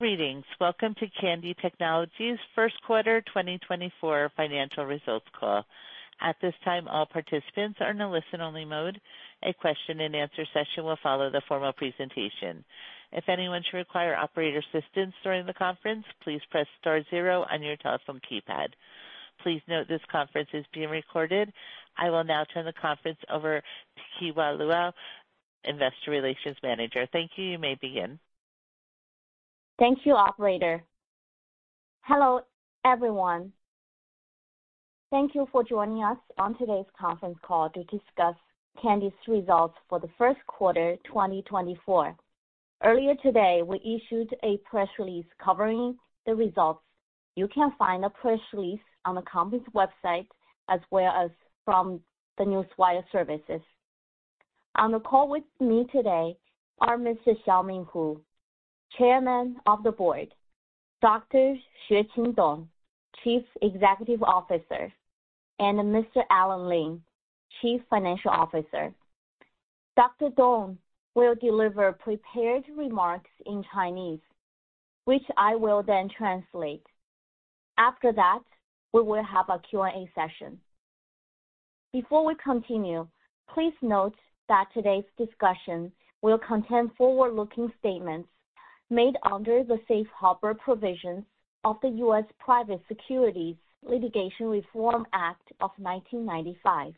Greetings. Welcome to Kandi Technologies Group's First Quarter 2024 Financial Results Call. At this time, all participants are in a listen-only mode. A question-and-answer session will follow the formal presentation. If anyone should require operator assistance during the conference, please press star zero on your telephone keypad. Please note this conference is being recorded. I will now turn the conference over to Kewa Luo, Investor Relations Manager. Thank you. You may begin. Thank you, operator. Hello, everyone. Thank you for joining us on today's conference call to discuss Kandi's results for the first quarter, 2024. Earlier today, we issued a press release covering the results. You can find the press release on the company's website, as well as from the Newswire services. On the call with me today are Mr. Xiaoming Hu, Chairman of the Board, Dr. Xueqin Dong, Chief Executive Officer, and Mr. Alan Lim, Chief Financial Officer. Dr. Dong will deliver prepared remarks in Chinese, which I will then translate. After that, we will have a Q&A session. Before we continue, please note that today's discussion will contain forward-looking statements made under the Safe Harbor Provisions of the U.S. Private Securities Litigation Reform Act of 1995.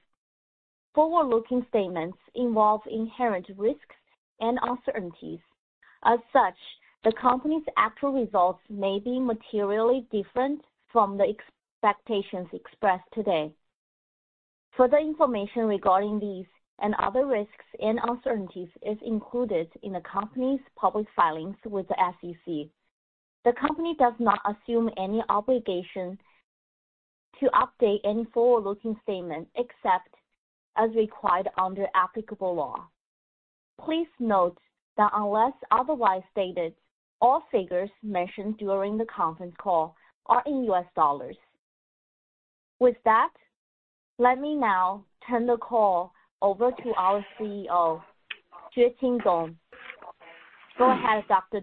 Forward-looking statements involve inherent risks and uncertainties. As such, the company's actual results may be materially different from the expectations expressed today. Further information regarding these and other risks and uncertainties is included in the company's public filings with the SEC. The company does not assume any obligation to update any forward-looking statements, except as required under applicable law. Please note that unless otherwise stated, all figures mentioned during the conference call are in U.S. dollars. With that, let me now turn the call over to our CEO, Xueqin Dong. Go ahead, Dr.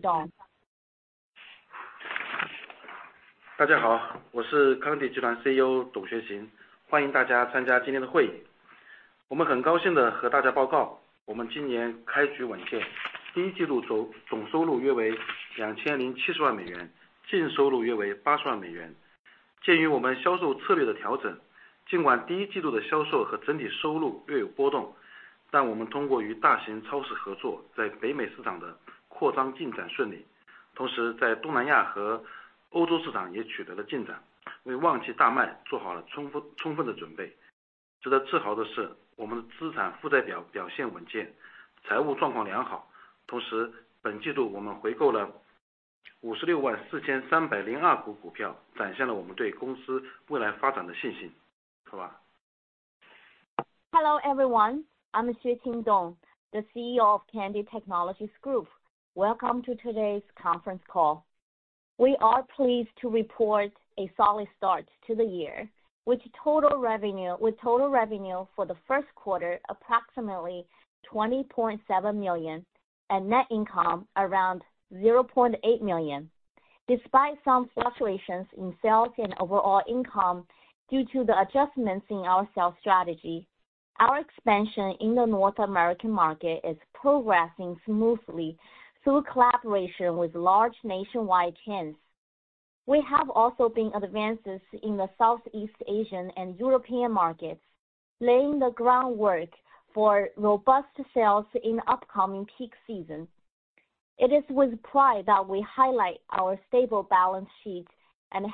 Dong. Hello, everyone. I'm Xueqin Dong, the CEO of Kandi Technologies Group. Welcome to today's conference call. We are pleased to report a solid start to the year with total revenue for the first quarter, approximately $20.7 million, and net income around $0.8 million. Despite some fluctuations in sales and overall income due to the adjustments in our sales strategy, our expansion in the North American market is progressing smoothly through collaboration with large nationwide chains. We have also made advances in the Southeast Asian and European markets, laying the groundwork for robust sales in the upcoming peak season. It is with pride that we highlight our stable balance sheet and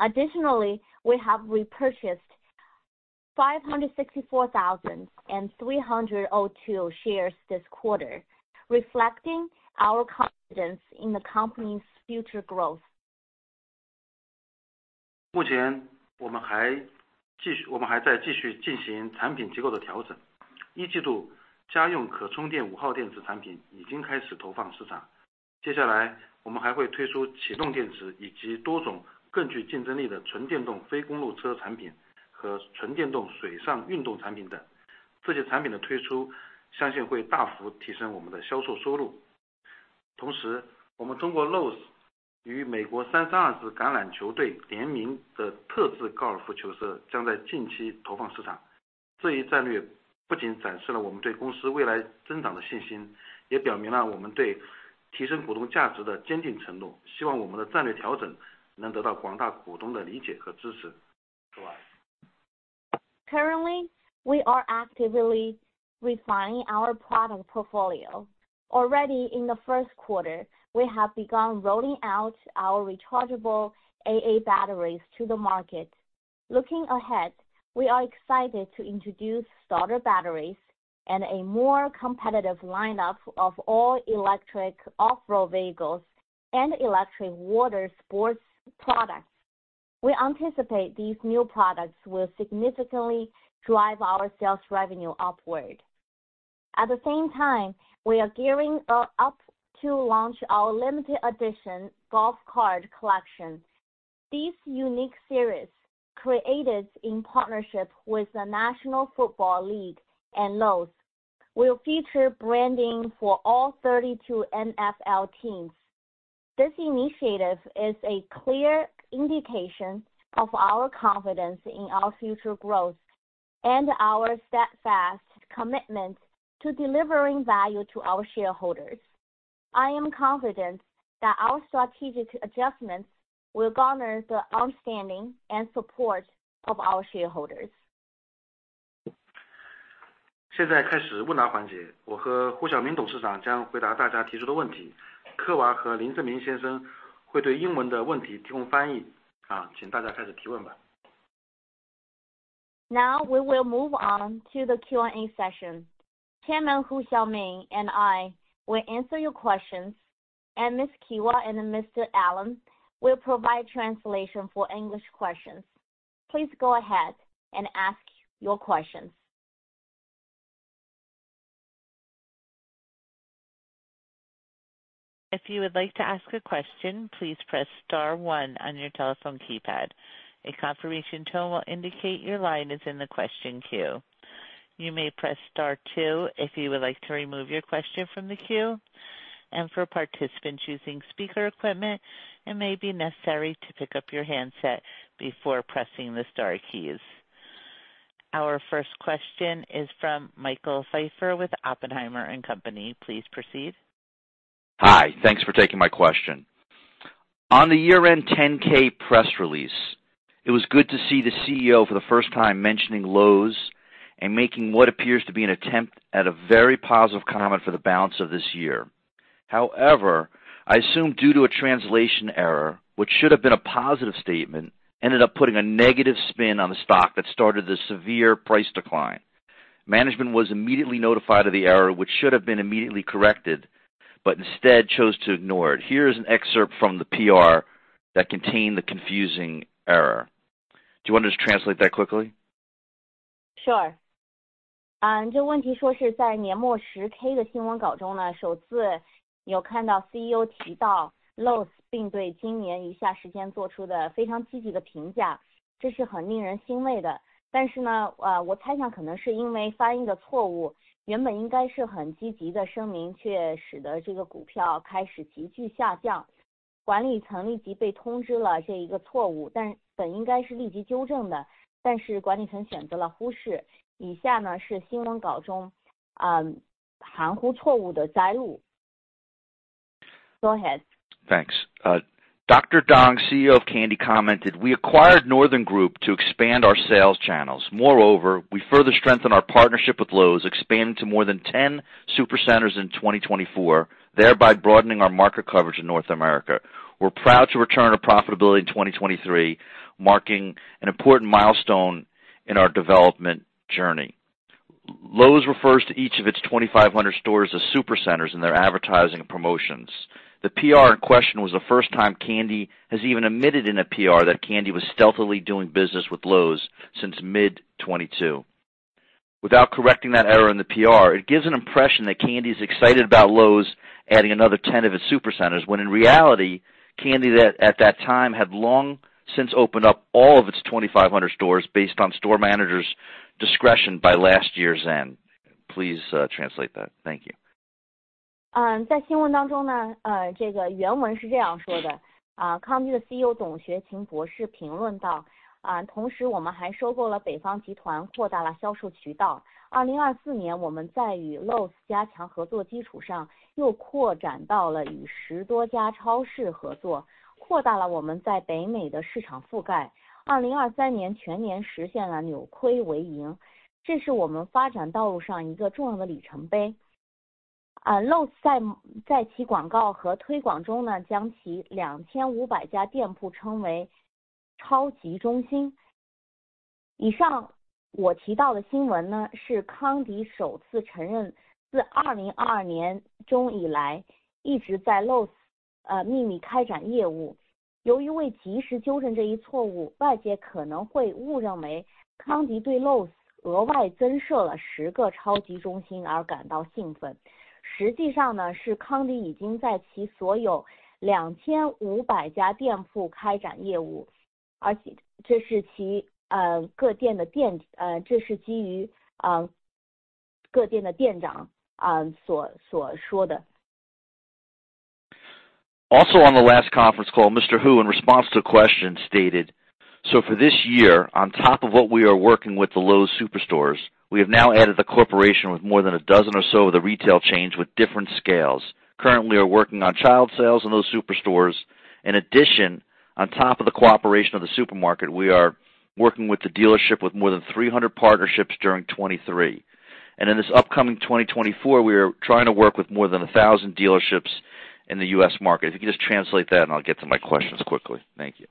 healthy financial position. Additionally, we have repurchased 564,302 shares this quarter, reflecting our confidence in the company's future growth. Currently, we are actively refining our product portfolio. Already in the first quarter, we have begun rolling out our rechargeable AA batteries to the market. Looking ahead, we are excited to introduce starter batteries and a more competitive lineup of all-electric off-road vehicles and electric water sports products. We anticipate these new products will significantly drive our sales revenue upward. At the same time, we are gearing up to launch our limited edition golf cart collection. ...These unique series, created in partnership with the National Football League and Lowe's, will feature branding for all 32 NFL teams. This initiative is a clear indication of our confidence in our future growth and our steadfast commitment to delivering value to our shareholders. I am confident that our strategic adjustments will garner the outstanding support of our shareholders. 现在开始问答环节，我和胡晓明董事长将回答大家提出的问题，科娃和林正明先生会对英文的问题提供翻译。啊，请大家开始提问吧。Now we will move on to the Q&A session. Chairman Hu Xiaoming and I will answer your questions, and Miss Kewa and Mr. Alan will provide translation for English questions. Please go ahead and ask your questions. If you would like to ask a question, please press star one on your telephone keypad. A confirmation tone will indicate your line is in the question queue. You may press star two if you would like to remove your question from the queue. For participants using speaker equipment, it may be necessary to pick up your handset before pressing the star keys. Our first question is from Michael Pfeiffer with Oppenheimer and Company. Please proceed. Hi, thanks for taking my question. On the year-end 10-K press release, it was good to see the CEO for the first time mentioning Lowe's and making what appears to be an attempt at a very positive comment for the balance of this year. However, I assume due to a translation error, what should have been a positive statement ended up putting a negative spin on the stock that started the severe price decline. Management was immediately notified of the error, which should have been immediately corrected, but instead chose to ignore it. Here is an excerpt from the PR that contained the confusing error. Do you want to just translate that quickly? Sure. Ah, this question is about the year-end 10-K press release, where for the first time we saw the CEO mention Lowe's, and give a very positive evaluation for the time below this year, which is very encouraging. But, uh, I guess it might be because of a translation error; the original should have been a very positive statement, yet it caused this stock to start dropping sharply. Management was immediately notified of this error, but it should have been corrected immediately. But management chose to ignore it. Below is an excerpt from the press release, uh, with the vague error. Go ahead. Thanks, Dr. Dong, CEO of Kandi, commented: "We acquired Northern Group to expand our sales channels. Moreover, we further strengthen our partnership with Lowe's, expanding to more than 10 supercenters in 2024, thereby broadening our market coverage in North America. We're proud to return to profitability in 2023, marking an important milestone in our development journey." Lowe's refers to each of its 2,500 stores as supercenters in their advertising and promotions. The PR in question was the first time Kandi has even admitted in a PR that Kandi was stealthily doing business with Lowe's since mid-2022. Without correcting that error in the PR, it gives an impression that Kandi is excited about Lowe's adding another 10 of its supercenters, when in reality, Kandi at that time had long since opened up all of its 2,500 stores based on store managers' discretion by last year's end. Please translate that. Thank you. In the news, the original text says this: Kandi's CEO Dr. Xueqin Dong commented: "At the same time we also acquired the Northern Group, expanding our sales channels. In 2024, on the basis of strengthening cooperation with Lowe's, we expanded to cooperation with more than 10 supermarkets, expanding our market coverage in North America. In 2023 the whole year achieved turning a loss into profit, which is an important milestone on our development path." Lowe's in its advertising and promotion calls its 2,500 stores super centers. The news I mentioned above is Kandi's first admission that since mid-2022 it has been secretly conducting business at Lowe's. Due to not correcting this mistake in time, the outside world may mistakenly believe that Kandi is excited about Lowe's additionally adding 10 super centers. In fact, Kandi has already been doing business in all of its 2,500 stores, and this is based on what the store managers of each store said. Also on the last conference call, Mr. Hu, in response to a question stated: "So for this year, on top of what we are working with the Lowe's superstores, we have now added the corporation with more than 12 or so of the retail chains with different scales. Currently are working on child sales in those superstores. In addition, on top of the cooperation of the supermarket, we are working with the dealership with more than 300 partnerships during 2023. And in this upcoming 2024, we are trying to work with more than 1,000 dealerships in the U.S. market." If you can just translate that and I'll get to my questions quickly. Thank you.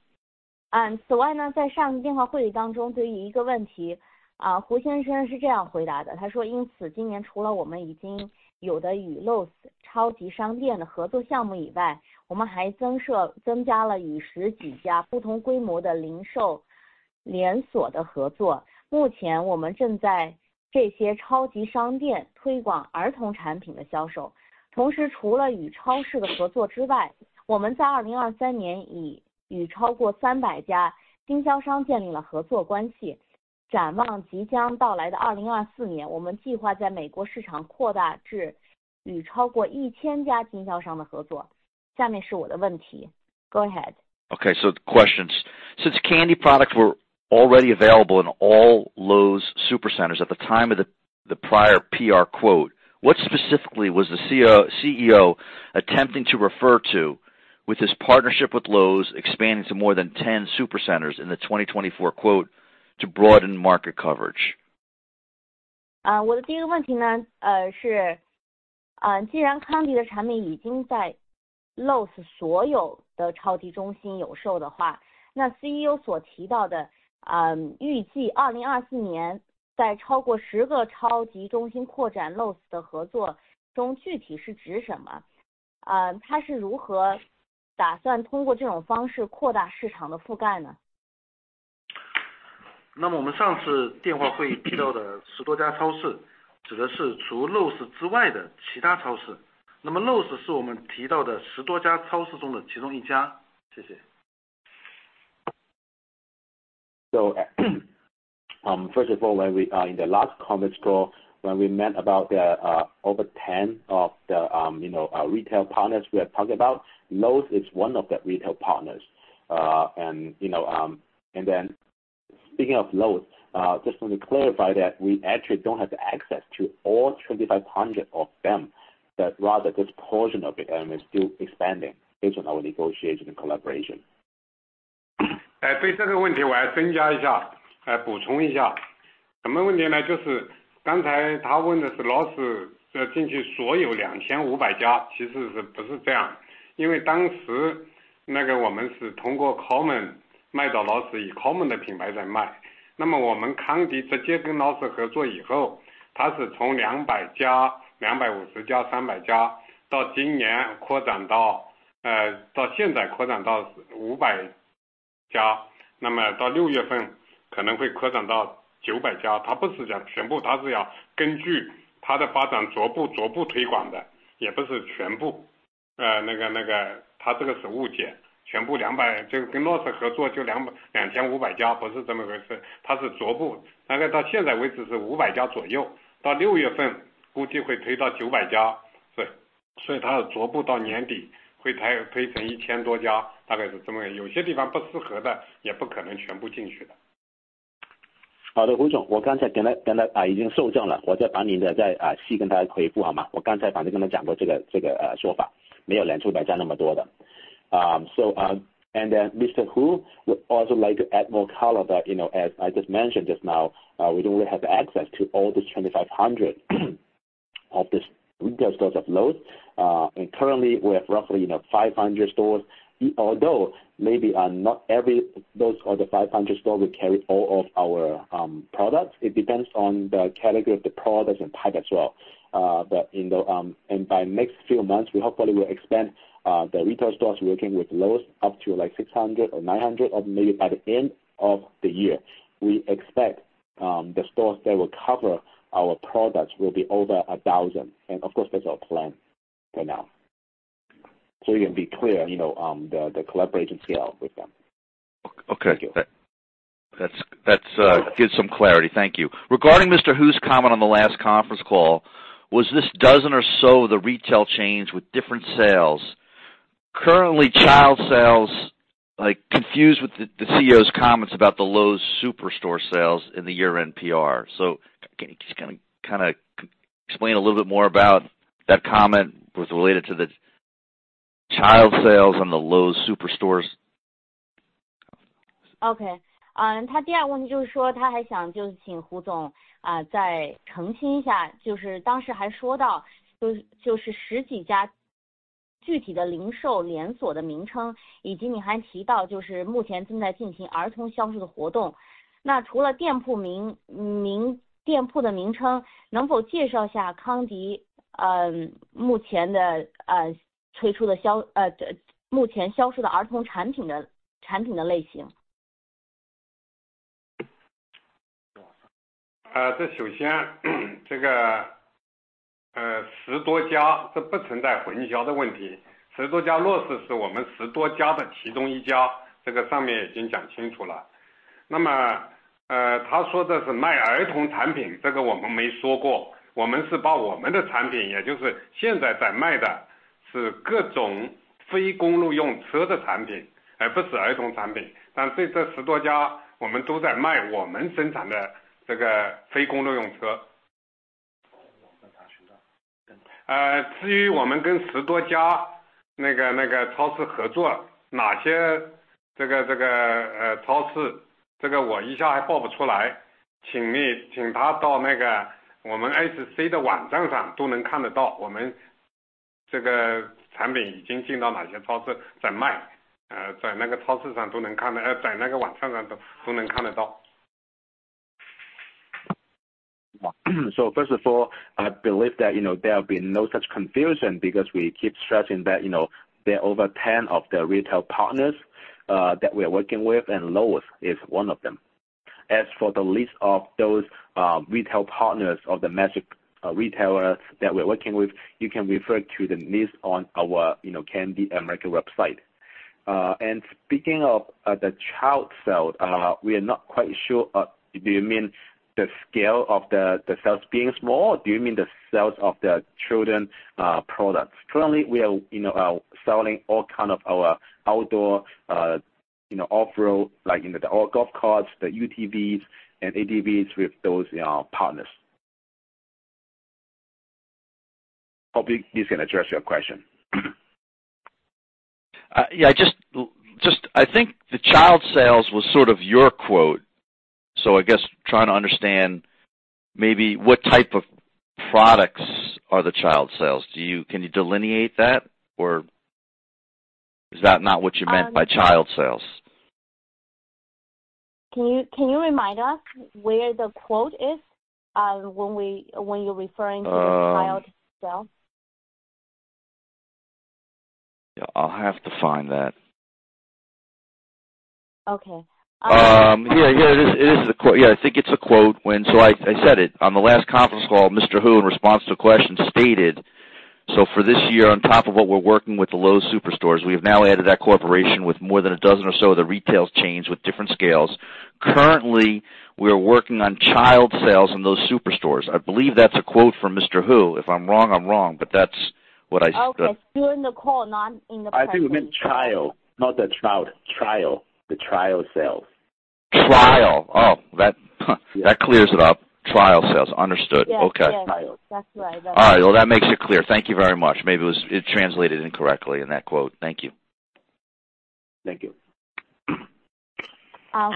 此外呢，在上次电话会议当中，对于一个问题，胡先生是这样回答的，他说：因此，今年除了我们已经有的与Lowe's超级商店的合作项目以外，我们还增设增加了与十几家不同规模的零售...... 连锁的合作。目前我们在这些超级商店推广儿童产品的销售。同时，除了与超市的合作之外，我们在2023年已与超过300家经销商建立了合作关系，展望即将到来的2024年，我们计划在美国市场扩大至与超过1,000家经销商的合作。下面是我的问题。Go ahead. Okay, so the questions. Since Kandi products were already available in all Lowe's super centers at the time of the prior PR quote, what specifically was the CEO attempting to refer to with his partnership with Lowe's expanding to more than 10 super centers in the 2024 quote to broaden market coverage? 我的第一个问题呢，是，既然康迪的产品已经在Lowe's所有的超级中心有售的话，那CEO所提到的，预计2024年在超过10个超级中心扩展Lowe's的合作中，具体是指什么？他是如何打算通过这种方式扩大市场的覆盖呢？ 那么我们上次电话会议提到的十多家超市，指的是除Lowe's之外的其他超市。那么Lowe's是我们提到的十多家超市中的其中一家，谢谢。So, first of all, when we are in the last conference call, when we met about the, over 10 of the, you know, retail partners, we are talking about Lowe's is one of the retail partners. And, you know, and then speaking of Lowe's, just want to clarify that we actually don't have the access to all 2,500 of them, that rather this portion of it, and we're still expanding based on our negotiation and collaboration. For this question, let me add a bit, to supplement. What question? It's the one he just asked about Lowe's, wanting to enter all 2,500 stores. Actually, is it like that? Because at that time, we sold to Lowe's through Coleman, under Coleman's brand. Then, after we Kandi directly cooperated with Lowe's, it started from 200 stores, 250 stores, 300 stores, to this year expanded to, now expanded to 500 stores, then to June possibly will expand to 900 stores. It's not saying all of them, it's to gradually, step by step promote based on its development, also not all. That, that, this is a misunderstanding, all 2, just cooperate with Lowe's, then 2,500 stores, it's not like that. It's step by step, approximately to now it's around 500 stores, to June estimated will push to 900 stores, yes, so it's step by step to year-end will push to over 1,000 stores, roughly like that, some places not suitable, also can't enter all of them. So, and then Mr. Hu would also like to add more color that, you know, as I just mentioned just now, we don't really have access to all these 2,500 of these retail stores of Lowe's. And currently we have roughly, you know, 500 stores, although maybe, not every those are the 500 stores will carry all of our products. It depends on the category of the products and type as well. But in the U.S., by next few months, we hopefully will expand the retail stores working with Lowe's up to like 600 or 900, or maybe by the end of the year, we expect the stores that will cover our products will be over 1,000. And of course, that's our plan for now. So, to be clear, you know, the collaboration scale with them. OK, that's, that's, give some clarity. Thank you. Regarding Mr. Hu's comment on the last conference call, was this dozen or so the retail chains with different sales? Currently, Kandi sales like confused with the CEO's comments about the Lowe's superstore sales in the year-end PR. So can you just kind of, kind of explain a little bit more about that comment was related to the Kandi sales on the Lowe's superstores. OK，他第二个问题是，他还想请胡总再澄清一下，就是当时还说到，就是十几家具体的零售连锁的名称，以及你还提到目前正在进行儿童销售的活动，那除了店铺名称，能否介绍一下康迪，目前推出的，目前销售的儿童产品的类型。首先，这个，十多家，这不存在混淆的问题，十多家 Lowe's 是我们十多家中的一家，这个上面已经讲清楚了。那么，他说的是卖儿童产品，这个我们没说过，我们是把我们的产品，也就是现在在卖的是各种非公路用车的产品，而不是儿童产品。但这，这十多家我们都在卖我们生产这个非公路用车。至于我们跟十多家那个，那个超市合作，哪些这个，这个，超市，这个我一下还报不出来，请你，请他到那个我们 SC 的网站上都能看到，我们这个产品已经进到哪些超市在卖，在那个超市上都能看得，在那个网站上都，都能看到。... So first of all, I believe that, you know, there have been no such confusion because we keep stressing that, you know, there are over 10 of the retail partners that we are working with, and Lowe's is one of them. As for the list of those retail partners or the magic retailer that we're working with, you can refer to the list on our, you know, Kandi America website. And speaking of the Kandi sales, we are not quite sure, do you mean the scale of the sales being small, or do you mean the sales of the Kandi products? Currently, we are, you know, selling all kind of our outdoor, you know, off-road, like, you know, the all golf carts, the UTVs and ATVs with those partners. Hope he's gonna address your question. Yeah, just I think the child sales was sort of your quote. So I guess trying to understand maybe what type of products are the child sales. Do you, can you delineate that, or is that not what you meant by child sales? Can you remind us where the quote is, when you're referring to the child sales? Yeah, I'll have to find that. Okay. Um- Yeah, yeah, it is, it is the quote. Yeah, I think it's a quote when... So I said it. On the last conference call, Mr. Hu, in response to a question, stated, "So for this year, on top of what we're working with the Lowe's superstores, we have now added that cooperation with more than a dozen or so of the retail chains with different scales. Currently, we are working on golf sales in those superstores." I believe that's a quote from Mr. Hu. If I'm wrong, I'm wrong, but that's what I- Okay, during the call, not in the press. I think he meant trial, not the child. Trial, the trial sales. Trial! Oh, that, that clears it up. Trial sales. Understood. Yes. Okay. Trial. That's right. All right. Well, that makes it clear. Thank you very much. Maybe it was, it translated incorrectly in that quote. Thank you. Thank you. I'm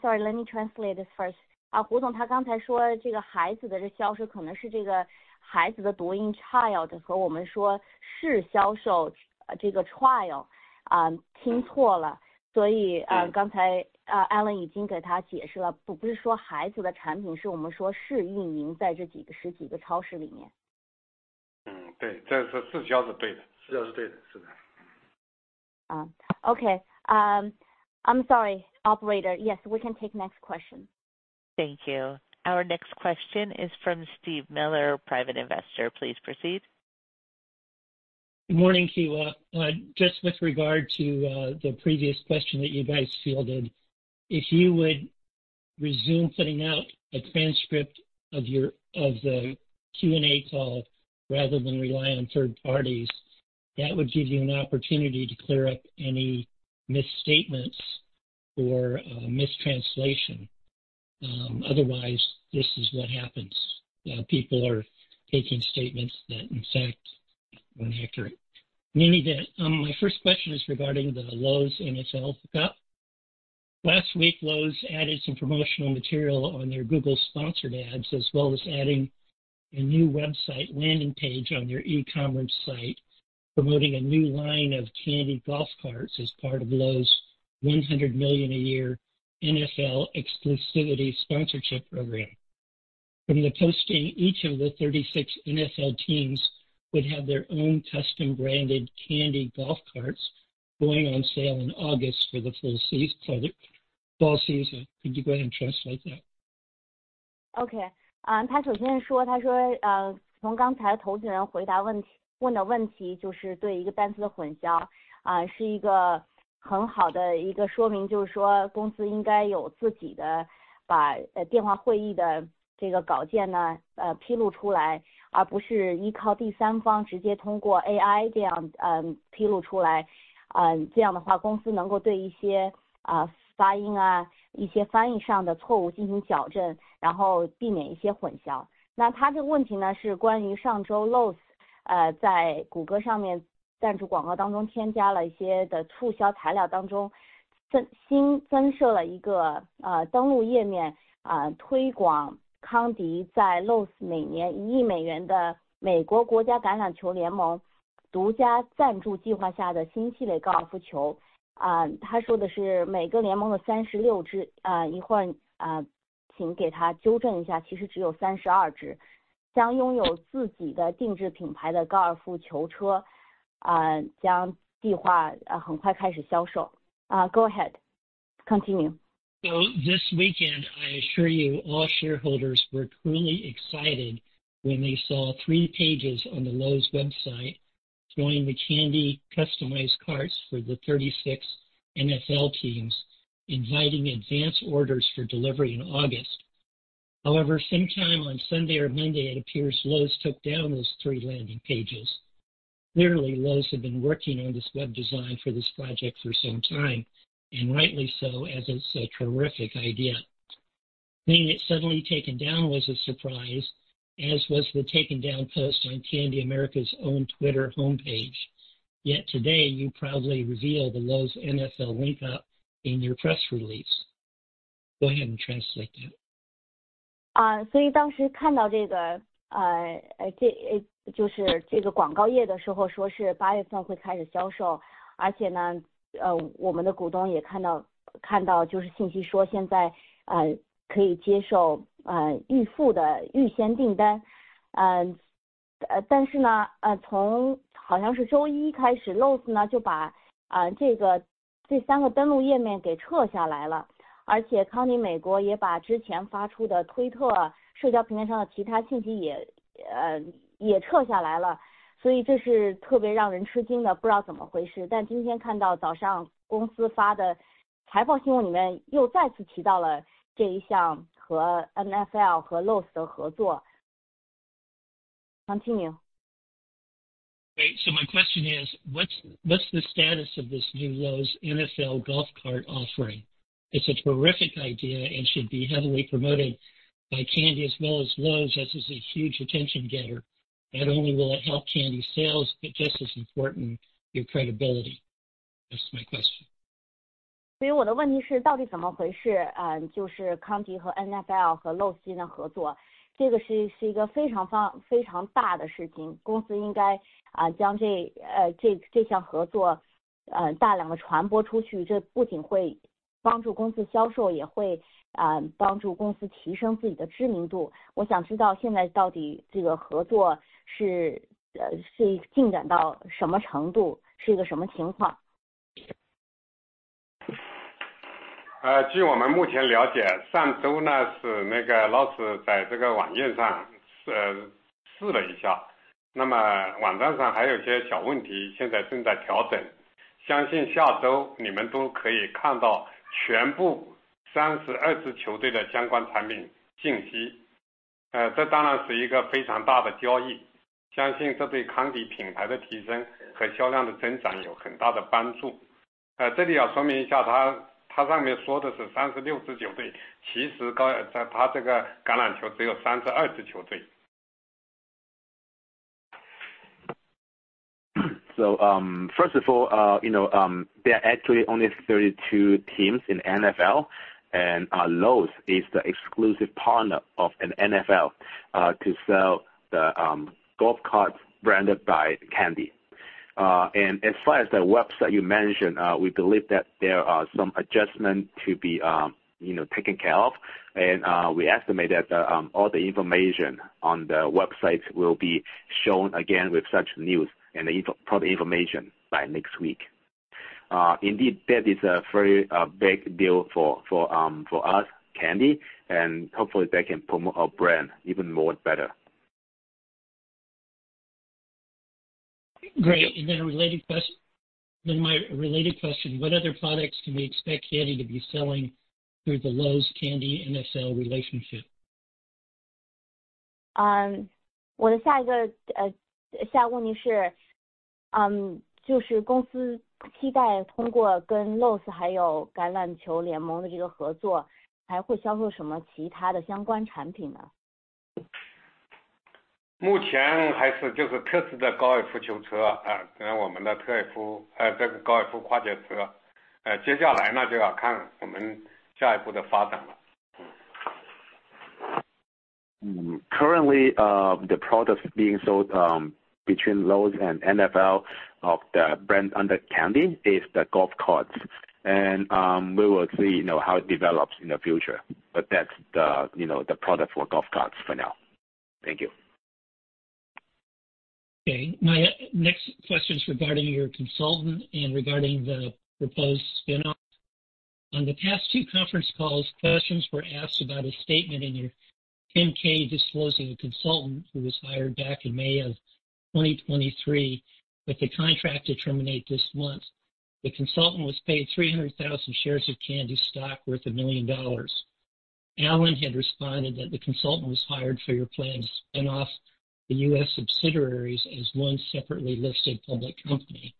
sorry, let me translate this first. Okay. I'm sorry, operator. Yes, we can take next question. Thank you. Our next question is from Steve Miller, private investor. Please proceed. Good morning, Kewa. Just with regard to the previous question that you guys fielded, if you would resume putting out a transcript of your Q&A call rather than rely on third parties, that would give you an opportunity to clear up any misstatements or mistranslation. Otherwise, this is what happens. People are taking statements that in fact were inaccurate. Meaning that my first question is regarding the Lowe's NFL pick-up. Last week, Lowe's added some promotional material on their Google sponsored ads, as well as adding a new website landing page on their e-commerce site, promoting a new line of Kandi golf carts as part of Lowe's $100 million a year NFL exclusivity sponsorship program. From the posting, each of the 36 NFL teams Ah, so when I saw this, uh, this, that is, when I saw this ad page, it said that sales would start in August. And, our shareholders also saw the information saying that now, pre-paid pre-orders can be accepted. But, from what seems like starting Monday, Lowe's took down these three landing pages, and Kandi America also took down the previous tweets and other information on social platforms. So this is particularly surprising, don't know what's going on, but today seeing the earnings report news released by the company this morning, it mentioned again this collaboration with the NFL and Lowe's. Continue. So my question is what's the status of this new Lowe's NFL golf cart offering? It's a terrific idea and should be heavily promoted by Kandi as well as Lowe's. This is a huge attention getter. Not only will it help Kandi sales, but just as important, your credibility. That's my question. 所以我的问题是到底怎么回事？啊，就是康迪和NFL和Lowe's新的合作，这个是一个非常，非常大的事情，公司应该啊，将这项合作大量的传播出去，这不仅会帮助公司销售，也会啊，帮助公司提升自己的知名度。我想知道现在到底这个合作是进展到什么程度，是一个什么情况？ According to our current understanding, last week Lowe's on this webpage tried it out, so the website still has some small problems and is now being adjusted. We believe next week you all can see all 32 teams' related product information. This is of course a very big deal, and we believe this will greatly help the Kandi brand's promotion and sales growth. Here to explain a bit, it above says 36 teams, but actually this American football only has 32 teams. first of all, you know, there are actually only 32 teams in the NFL, and our Lowe's is the exclusive partner of the NFL to sell the golf cart branded by Kandi. And as far as the website you mentioned, we believe that there are some adjustment to be, you know, taken care of, and we estimate that all the information on the website will be shown again with such news and the product information by next week. Indeed, that is a very big deal for us Kandi, and hopefully that can promote our brand even more better. Great! And then a related question, what other products can we expect Kandi to be selling through the Lowe's Kandi NFL relationship? 我的下一个问题是，公司期待通过跟Lowe's还有橄榄球联盟的这个合作，还会销售什么其他的相关产品呢？ 目前还是就是特制的高尔夫球车，我们的特艾夫，这个高尔夫跨界车。接下来呢，就要看我们下一步的发展了。the products being sold between Lowe's and NFL of the brand under Candy is the golf carts, and we will see, you know, how it develops in the future, but that's the, you know, the product for golf carts for now. Thank you. my next question is regarding your consultant and regarding the proposed spin-off. On the past two conference calls, questions were asked about a statement in your 10-K disclosing a consultant who was hired back in May of 2023, with the contract to terminate this month. The consultant was paid 300,000 shares of Kandi stock worth $1 million. Alan had responded that the consultant was hired for your plan to spin-off the U.S. subsidiaries as one separately listed public company.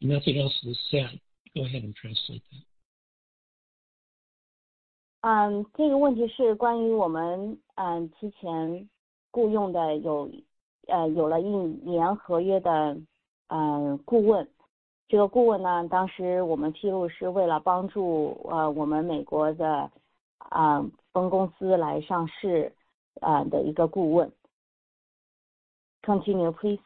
Nothing else was said. Go ahead and translate that. 这个问题是关于我们提前雇佣的，有了一年合约的顾问。这个顾问呢，当时我们披露是为了帮助我们美国的，子公司来上市的一个顾问。Continue, please. If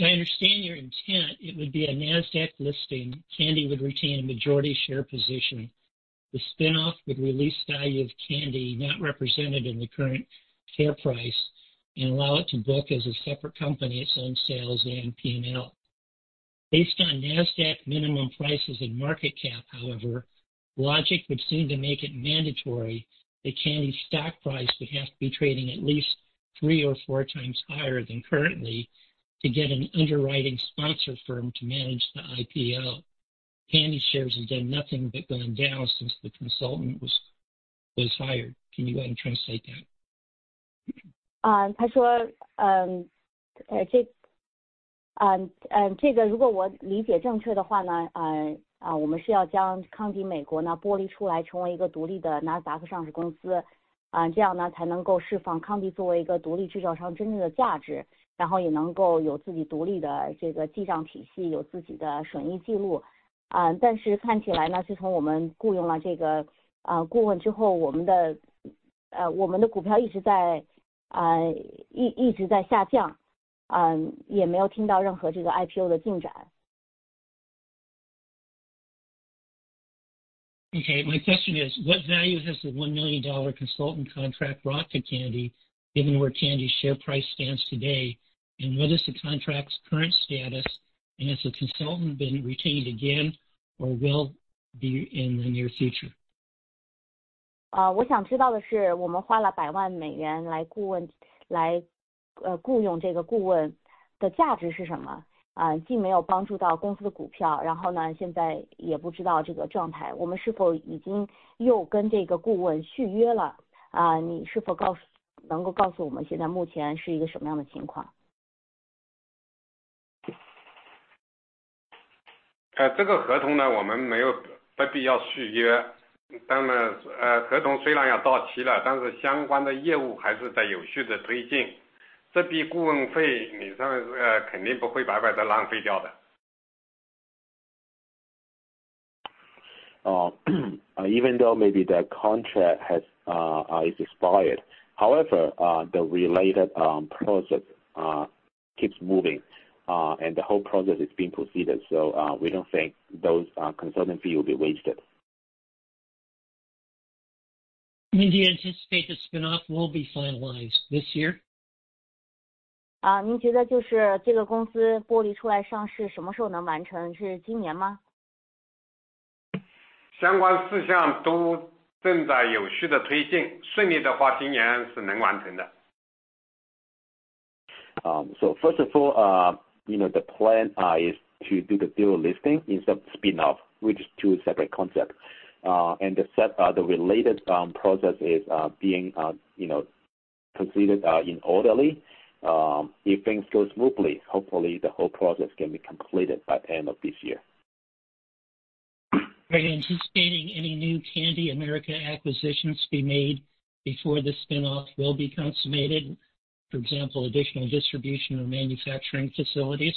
I understand your intent, it would be a NASDAQ listing. Candy would retain a majority share position. The spin-off would release value of Candy not represented in the current share price, and allow it to book as a separate company, its own sales and PNL. Based on NASDAQ minimum prices and market cap however, logic would seem to make it mandatory that Candy's stock price would have to be trading at least three or four times higher than currently to get an underwriting sponsor firm to manage the IPO. Candy shares have done nothing but going down since the consultant was hired. Can you go ahead and translate that? 他说，这个如果我理解正确的话，我们是要将康迪美国剥离出来，成为一个独立的NASDAQ上市公司，这样，才能够释放康迪作为一个独立制造商真正的价值，然后也能够有自己独立的一个记账体系，有自己的损益记录。但是看起来，自从我们雇佣了这个顾问之后，我们的...... 我们的股票一直在下降，也没有听到任何这个IPO的进展。OK, my question is what value has the $1 million consultant contract brought to Kandi, given where Kandi share price stands today, and what is the contract's current status, and has the consultant been retained again or will be in the near future? Even though maybe the contract has, is expired. However, the related project keeps moving, and the whole process is being proceeded, so we don't think those consultant fee will be wasted. When do you anticipate the spin-off will be finalized this year? 啊，您觉得就是这个公司剥离出来上市什么时候能完成？是今年吗？ 相关事项都正在有序地推进，顺利的话，今年是能完成的。So first of all, you know, the plan is to do the dual listing instead of spin-off, which is two separate concepts, and the related process is being, you know, completed in orderly. If things go smoothly, hopefully the whole process can be completed by the end of this year. Are you anticipating any new Kandi America acquisitions to be made before the spin-off will be consummated? For example, additional distribution or manufacturing facilities.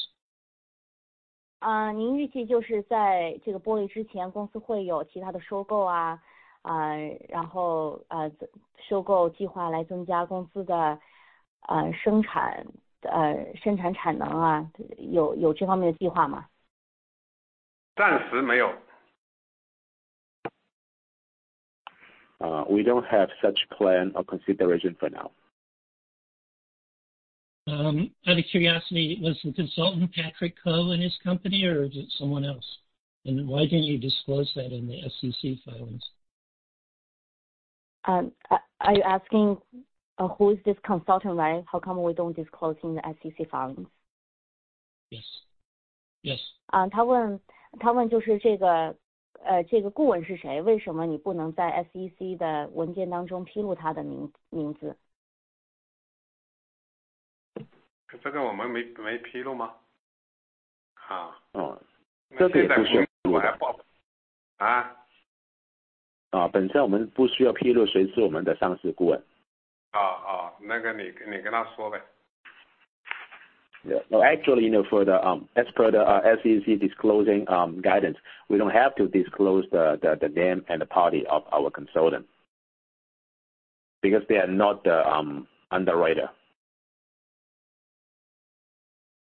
您预计，就是在这个剥离之前，公司会有其他的收购啊，然后，收购计划来增加公司的生产，生产产能啊，有，有这方面的计划吗？ 暂时没有。We don't have such plan or consideration for now. Out of curiosity, was the consultant Park City Capital and his company or is it someone else? Why didn't you disclose that in the SEC filings? Are you asking who is this consultant, right? How come we don't disclose in the SEC filings. Yes, yes。他问的就是这个，这个顾问是谁，为什么你不能在SEC的文件当中披露他的名字。这个我们没，没披露吗？啊。哦，这个也不需要披露。啊？ 啊，本身我们不需要披露谁是我们的上市顾问。哦，哦，那个你，你跟他说呗。Yeah, well, actually, you know, for the as per the SEC disclosure guidance, we don't have to disclose the name and the party of our consultant, because they are not the underwriter.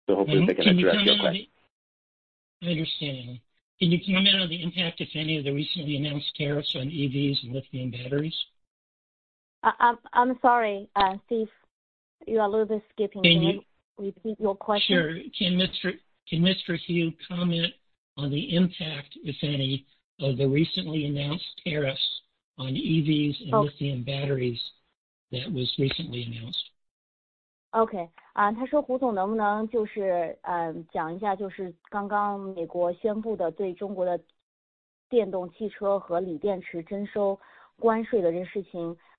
So hopefully they can address your question. I understand. Can you comment on the impact, if any, of the recently announced tariffs on EVs and lithium batteries? I'm sorry, Steve, you are a little bit skipping. Can you- Repeat your question. Sure. Can Mr. Hu comment on the impact, if any, of the recently announced tariffs on EVs- Oh。and lithium batteries that was recently announced? OK，他说胡总能不能就是，讲一下，就是刚刚美国宣布的对中国的电动汽车和锂电池征收关税的这件事情，你能不能说说你的想法和公司有什么策略？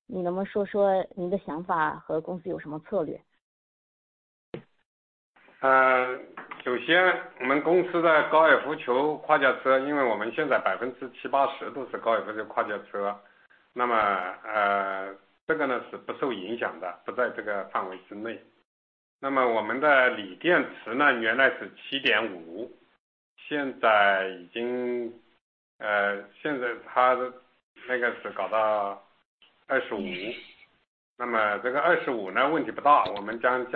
首先，我们公司的 golf 球跨界车，因为我们现在78%都是 golf 球跨界车，那么，这个呢，是不受影响的，不在这个范围之内。那么，我们的锂电池呢，原来是7.5，现在已经...... Now, it's set to 25, so this 25, no big problem, we will lower costs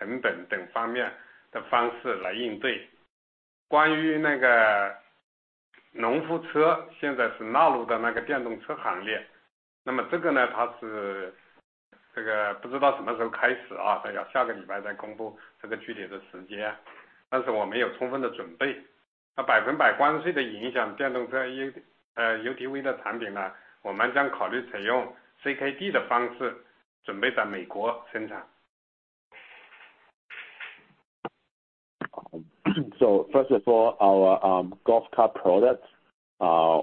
and other aspects' ways to cope. Regarding that farmer car, now it's included in that electric vehicle category, so this one, it is, this one doesn't know when it starts, wait, next week announce this specific time, but we have sufficient preparation. The 100% tariff's impact, electric vehicle U, uh, UTV's products, we will consider adopting CKD's way to prepare production in the United States. So first of all, our golf cart products,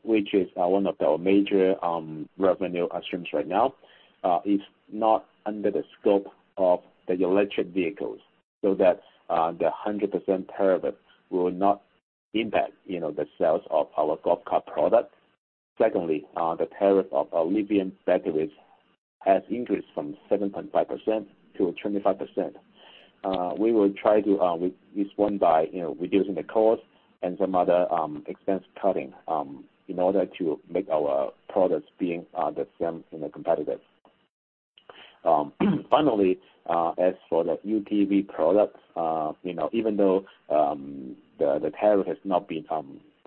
which is one of the major revenue streams right now, is not under the scope of the electric vehicles, so that's the 100% tariff will not impact, you know, the sales of our golf cart product. Secondly, the tariff of our lithium batteries has increased from 7.5% to 25%. We will try to respond by, you know, reducing the cost and some other expense cutting in order to make our products being the same, you know, competitive. Finally, as for the UTV products, you know, even though the tariff has not been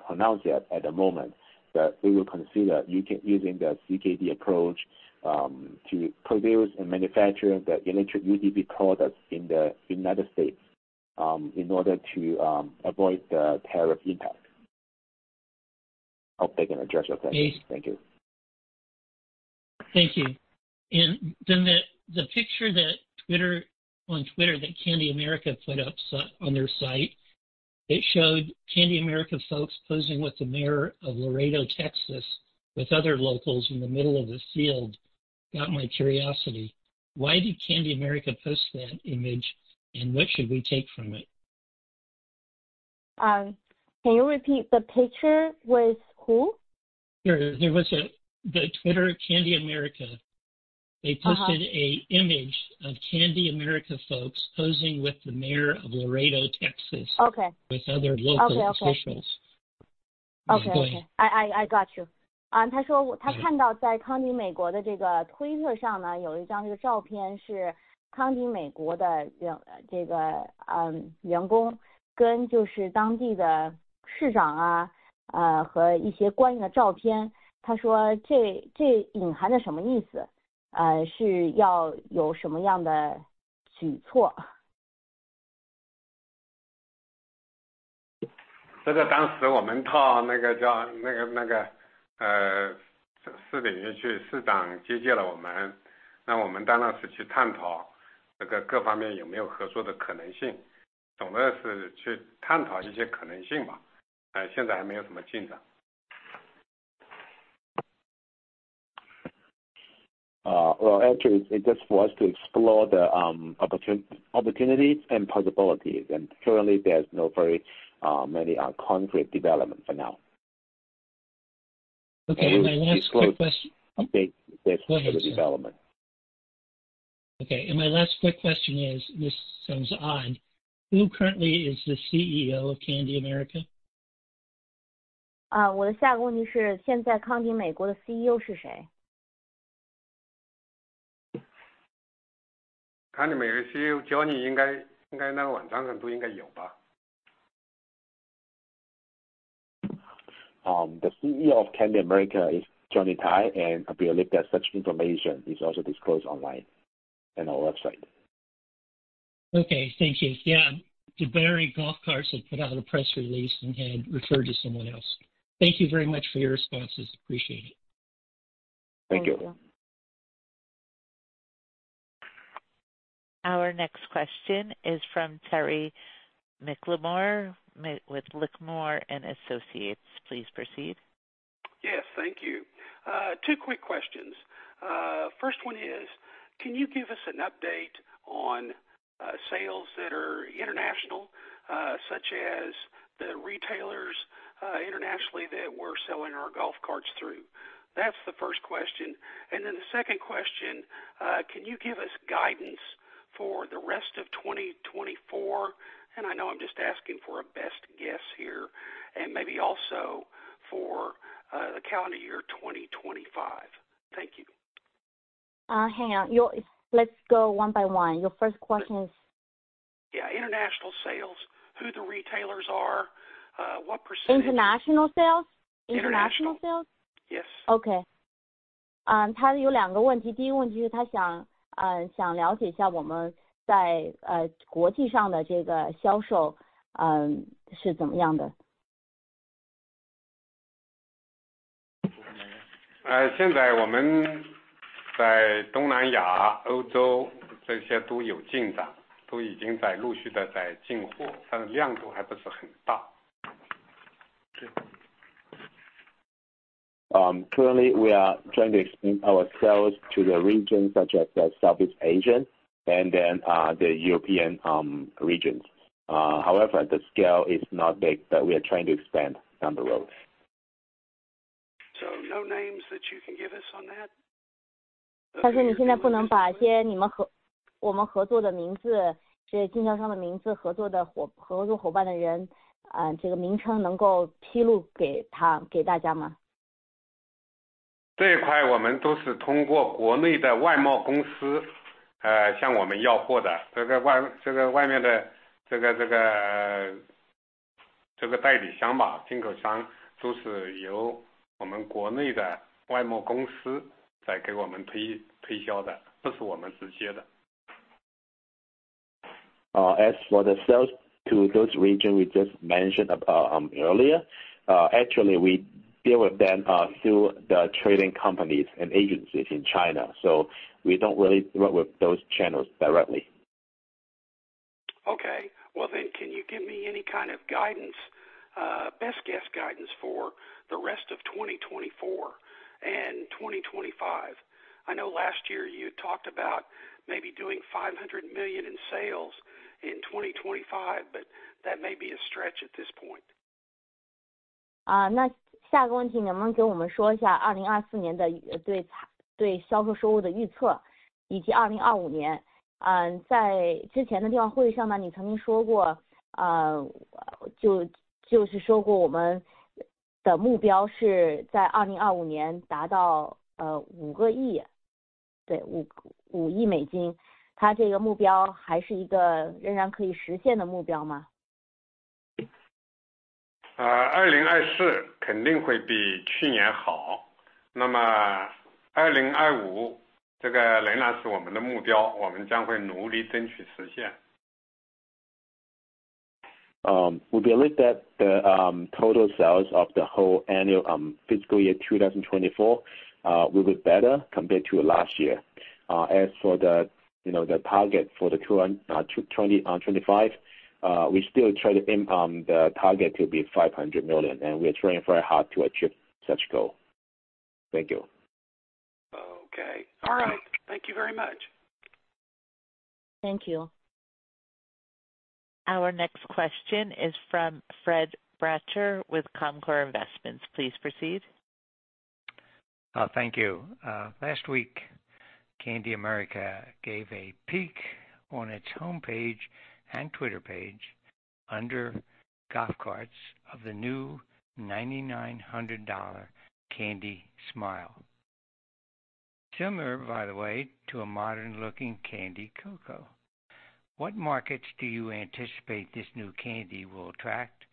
pronounced yet at the moment, that we will consider using the CKD approach to produce and manufacture the electric UTV products in the United States, in order to avoid the tariff impact. I hope I can address your question. Thank you. Thank you. And then the picture that Twitter, on Twitter that Kandi America put up so on their site, it showed Kandi America folks posing with the mayor of Laredo, Texas, with other locals in the middle of this field, got my curiosity. Why did Kandi America post that image, and what should we take from it? Can you repeat? The picture with who? Sure. There was a, the Twitter, Kandi America- Uh-huh. They posted an image of Kandi America folks posing with the mayor of Laredo, Texas. Okay. With other local officials. Okay, okay. Okay, I got you. Well, actually, it just for us to explore the opportunities and possibilities, and currently there's no very many concrete development for now. Okay, and my last quick question- Update with the development. Okay, and my last quick question is, this sounds odd: Who currently is the CEO of Kandi America? Uh, The CEO of Kandi America is Johnny Tai, and I believe that such information is also disclosed online on our website. Okay, thank you. Yeah, the Barry Golf Cars had put out a press release and had referred to someone else. Thank you very much for your responses. Appreciate it. Thank you. Thank you. Our next question is from Terry McLemore, with McLemore & Associates. Please proceed. Yes, thank you. Two quick questions. First one is, can you give us an update on sales that are international, such as the retailers internationally, that we're selling our golf carts through? That's the first question. And then the second question, can you give us guidance for the rest of 2024? And I know I'm just asking for a best guess here, and maybe also for the calendar year 2025. Thank you. Hang on. Let's go one by one. Your first question is? Yeah. International sales, who the retailers are, what percentage? International sales? International. International sales? Yes. Okay. Um, Currently, we are trying to expand our sales to the regions such as Southeast Asia and then the European regions. However, the scale is not big, but we are trying to expand down the road. No names that you can give us on that? As for the sales to those regions we just mentioned about earlier, actually, we deal with them through the trading companies and agencies in China, so we don't really work with those channels directly. Okay. Well then, can you give me any kind of guidance, best guess guidance for the rest of 2024 and 2025? I know last year you had talked about maybe doing $500 million in sales in 2025, but that may be a stretch at this point. ... Next question, can you tell us about the forecast for sales revenue in 2024, as well as 2025? In the previous conference call, you once said that our goal is to reach $500 million in 2025. Yes, $500 million. Is this goal still a realistic goal that can be achieved? 2024肯定会比去年好，那么2025这个仍然是我们的目标，我们将努力争取实现。We believe that the total sales of the whole annual fiscal year 2024 will be better compared to last year. As for the, you know, the target for the 2025, we still try to aim the target to be $500 million, and we are trying very hard to achieve such goal. Thank you. Okay, all right. Thank you very much. Thank you. Our next question is from Fred Bratcher with Concorde Investment Services. Please proceed. Thank you. Last week, Kandi America gave a peek on its homepage and Twitter page under golf carts of the new $9,900 Kandi Smile. Similar, by the way, to a modern-looking Kandi Coco. What markets do you anticipate this new Kandi will attract?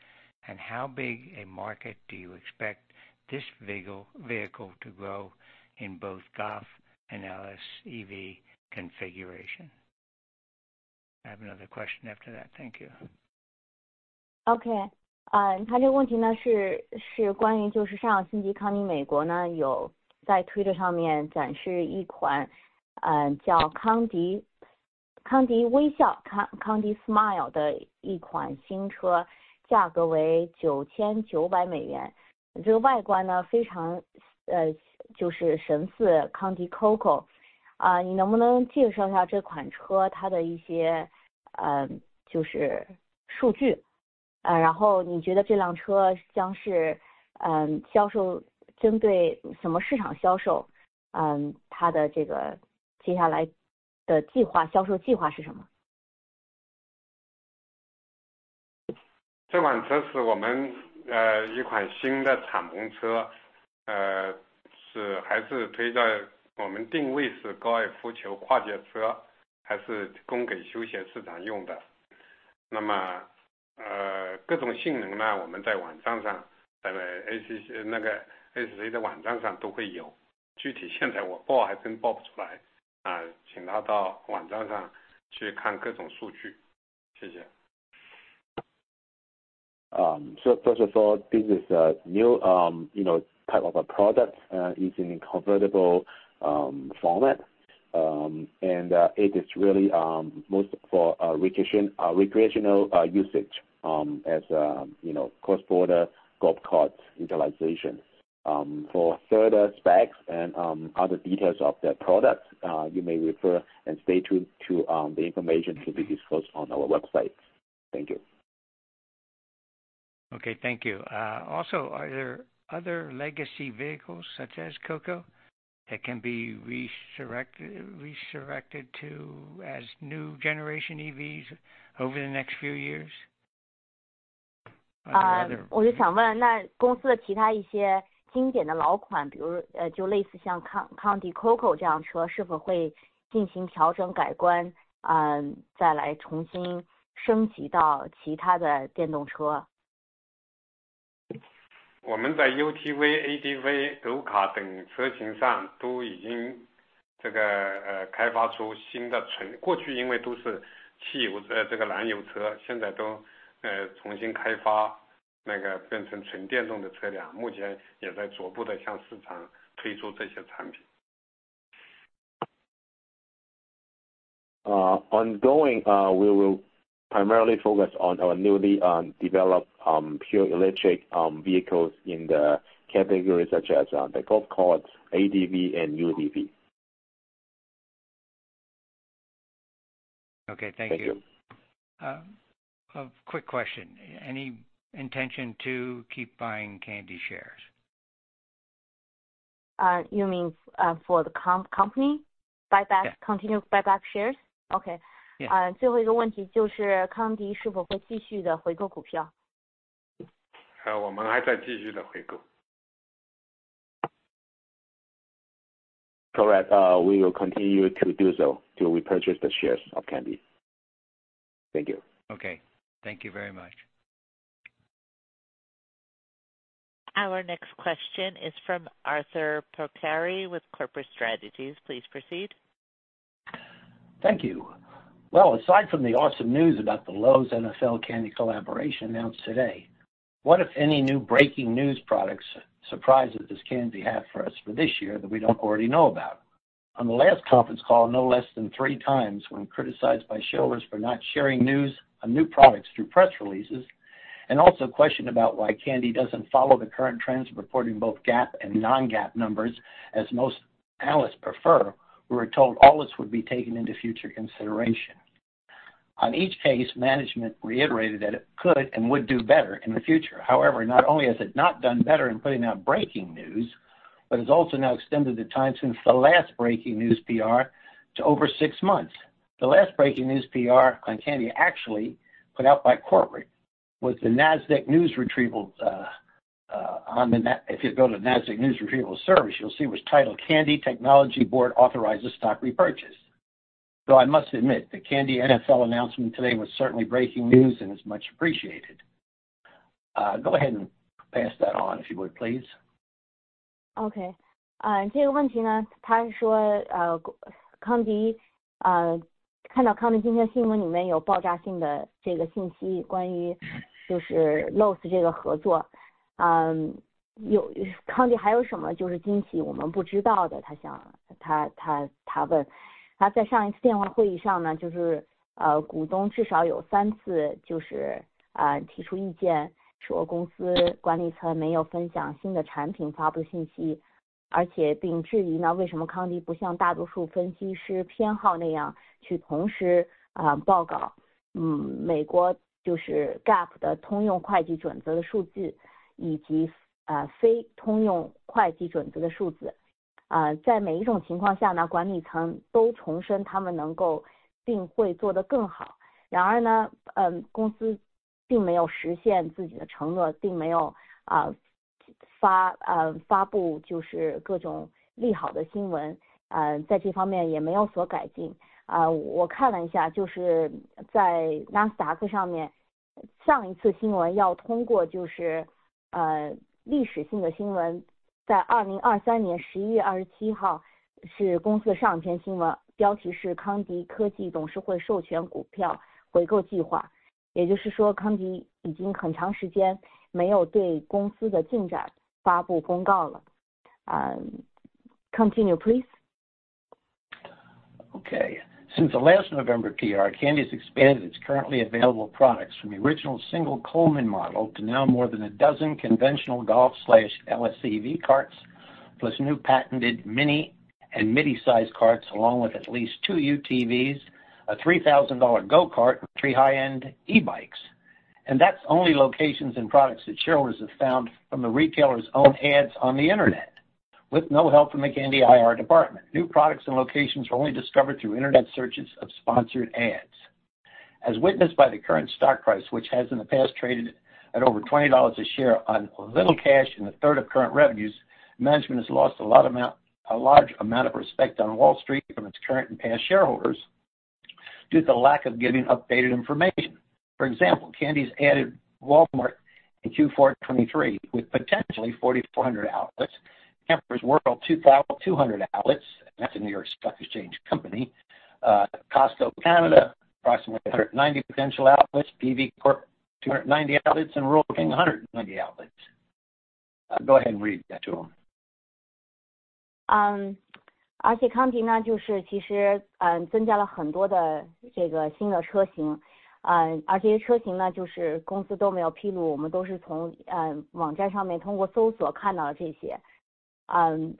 And how big a market do you expect this vehicle to grow in both golf and LSEV configuration? I have another question after that. Thank you. OK，这个问题是关于上个星期Kandi America在Twitter上面展示一款，叫Kandy Smile的一款新车，价格为$9,900。这个外观非常神似Kandi Coco。你能不能介绍一下这款车它的一些数据，然后你觉得这辆车将是销售，针对什么市场销售？它的这个接下来的计划，销售计划是什么？ 这款车是我们，一款新的敞篷车，是还是推到我们定位是高尔夫球跨界车，还是供给休闲市场用的。那么，各种性能呢，我们在网站上，在ACC，那个SC的网站上都会有，具体体现在我报还真报不出来，请大家到网站上去看各种数据。谢谢。So first of all, this is a new, you know, type of a product. It's in convertible format, and it is really meant for recreational usage, as you know, crossover golf carts utilization. For further specs and other details of the product, you may refer and stay tuned to the information to be disclosed on our website. Thank you. Okay, thank you. Also, are there other legacy vehicles such as Coco that can be resurrected to as new generation EVs over the next few years? 我就想问，那公司的一些经典的老款，比如，就类似像Kandi Coco这样的车，是否会进行调整改观，再来重新升级到其他的电动车。我们在UTV、ATV、高尔卡等车型上都已经开发出新的存。过去因为都是汽油车，这个燃油车，现在都重新开发，变成纯电动的车辆，目前也在逐步地向市场推出这些产品。Ongoing, we will primarily focus on our newly developed pure electric vehicles in the categories such as the golf carts, ATV and UTV. Okay, thank you. Thank you。A quick question: any intention to keep buying Kandi shares? You mean for the company? Buy back- Yeah. continued buyback shares? Okay. Yeah。最后一个问题，就是康迪是否会继续地回购股票？ 我们还在继续的回购。Correct, we will continue to do so, to repurchase the shares of Kandi. Thank you. Okay. Thank you very much. Our next question is from Arthur Porcari with Corporate Strategies. Please proceed. Thank you. Well, aside from the awesome news about the Lowe's NFL Kandi collaboration announced today, what, if any, new breaking news products surprises does Kandi have for us for this year that we don't already know about? On the last conference call, no less than three times when criticized by shareholders for not sharing news on new products through press releases, and also questioned about why Kandi doesn't follow the current trends, reporting both GAAP and non-GAAP numbers, as most analysts prefer. We were told all this would be taken into future consideration... In each case, management reiterated that it could and would do better in the future. However, not only has it not done better in putting out breaking news, but it's also now extended the time since the last breaking news PR to over six months. The last breaking news PR on Kandi, actually put out by corporate, was the NASDAQ news retrieval. On the NASDAQ if you go to the NASDAQ news retrieval service, you'll see was titled: Kandi Technologies Board Authorizes Stock Repurchase. Though I must admit, the Kandi NFL announcement today was certainly breaking news and is much appreciated. Go ahead and pass that on, if you would, please. OK，这个问题呢，他是说，康迪，看到康迪今天的消息里面有爆炸性的这个信息，关于就是Lowe's这个合作，有康迪还有什么就是惊喜，我们不知道的，他想问。他在上一次电话会议上呢，就是，股东至少有3次，就是，提出意见，说公司管理层没有分享新的产品发布信息，而且质疑，为什么康迪不像大多数分析师偏好那样去同时报告，美国就是GAAP的通用会计准则的数据，以及，非通用会计准则的数字。在每一种情况 下呢，管理层都重申他们能够并且会做得更好。然而呢，公司并没有实现自己的承诺，并没有发布各种利好的新闻，在这方面也没有改进。我看了一下，就是在纳斯达克上面，上一次新闻要通过就是，历史性的新闻，在2023年11月27号，是公司的上一篇新闻，标题是康迪科技董事会授权股票回购计划。也就是说，康迪已经很长时间没有对公司的进展发布公告了。Continue, please. Since the last November PR, Kandi's expanded its currently available products from the original single Coleman model to now more than a dozen conventional golf/LSEV carts, plus new patented Mini and midi-sized carts, along with at least two UTVs, a $3,000 go-kart, and three high-end e-bikes. That's only locations and products that shareholders have found from the retailer's own ads on the Internet, with no help from the Kandi IR department. New products and locations were only discovered through internet searches of sponsored ads. As witnessed by the current stock price, which has in the past traded at over $20 a share on little cash and a third of current revenues, management has lost a lot amount, a large amount of respect on Wall Street from its current and past shareholders, due to the lack of giving updated information. For example, Kandi's added Walmart in Q4 2023, with potentially 4,400 outlets, Camping World 2,200 outlets, that's a New York Stock Exchange company, Costco Canada, approximately 190 potential outlets, Peavey Corp 290 outlets, and Rural King 190 outlets. Go ahead and read that to him.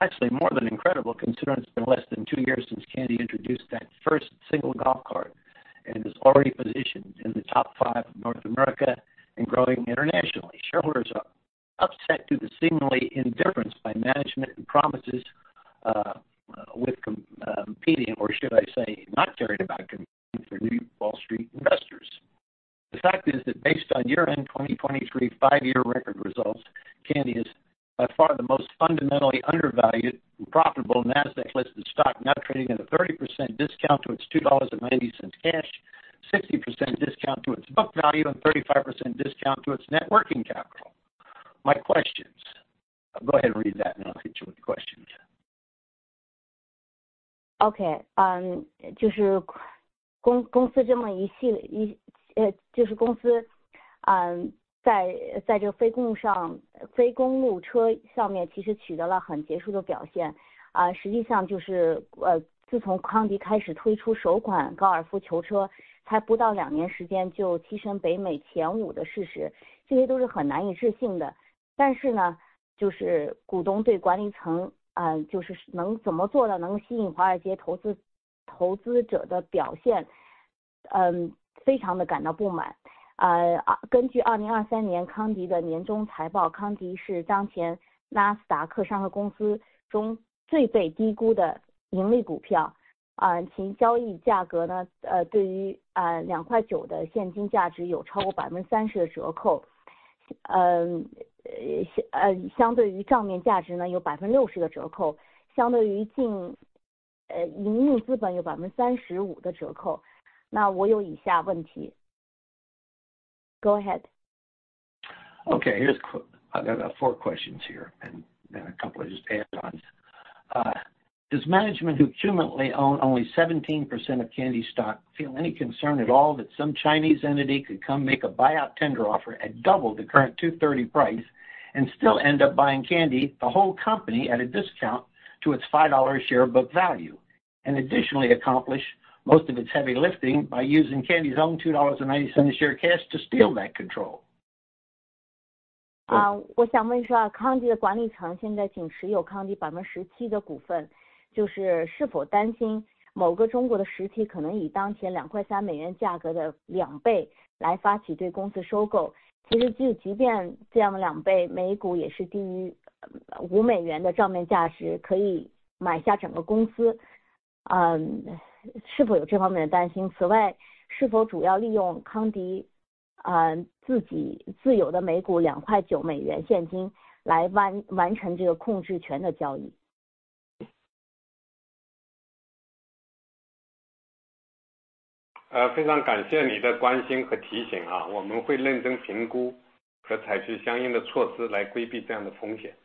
Actually, more than incredible, considering it's been less than two years since Kandi introduced that first single golf cart and is already positioned in the top five in North America and growing internationally. Shareholders are upset due to seemingly indifference by management and promises with competing, or should I say, not cared about competing for new Wall Street investors. The fact is that based on year-end 2023 five-year record results, Kandi is by far the most fundamentally undervalued and profitable NASDAQ-listed stock, now trading at a 30% discount to its $2.90 cash, 60% discount to its book value, and 35% discount to its net working capital. My questions... Go ahead and read that, and I'll hit you with the questions. OK，公司这么一系列，公司，在这非公路车上面其实取得了很杰出的表现，实际上就是，自从康迪开始推出首款高尔夫球车，才不到两年时间，就跻身北美前五的事实，这些都是很难置信的。但是呢，就是股东对管理层，就是能怎么做到能吸引华尔街投资，投资者的表现，非常的感到不满。啊，根据2023年康迪的年终财报，康迪是当前纳斯达克上市公司中，最被低估的盈利股票，其交易价格呢，对于，$2.9的现金价值有超过30%的折扣。... Compared to book value, there is a 60% discount, compared to net working capital, there is a 35% discount. Then I have the following question. Go ahead. Okay, here's, I got four questions here and, and a couple of just add-ons. Does management who currently own only 17% of Kandi's stock feel any concern at all that some Chinese entity could come make a buyout tender offer at double the current $2.30 price, and still end up buying Kandi, the whole company, at a discount to its $5 a share book value? And additionally accomplish most of its heavy lifting by using Kandi's own $2.90 a share cash to steal back control? Ah, I want to ask, Kandi's management now only holds 17% of Kandi's shares, so is there concern that some Chinese entity might initiate an acquisition of the company at twice the current $2.3 price? Actually, even at such double, per share it's also below $5 book value, can buy the entire company, um, is there concern in this aspect? In addition, is it mainly using Kandi, uh, its own $2.9 per share cash to complete this control rights transaction. 非常感谢你的关心和提醒啊，我们会认真评估和采取相应的措施来规避这样的风险。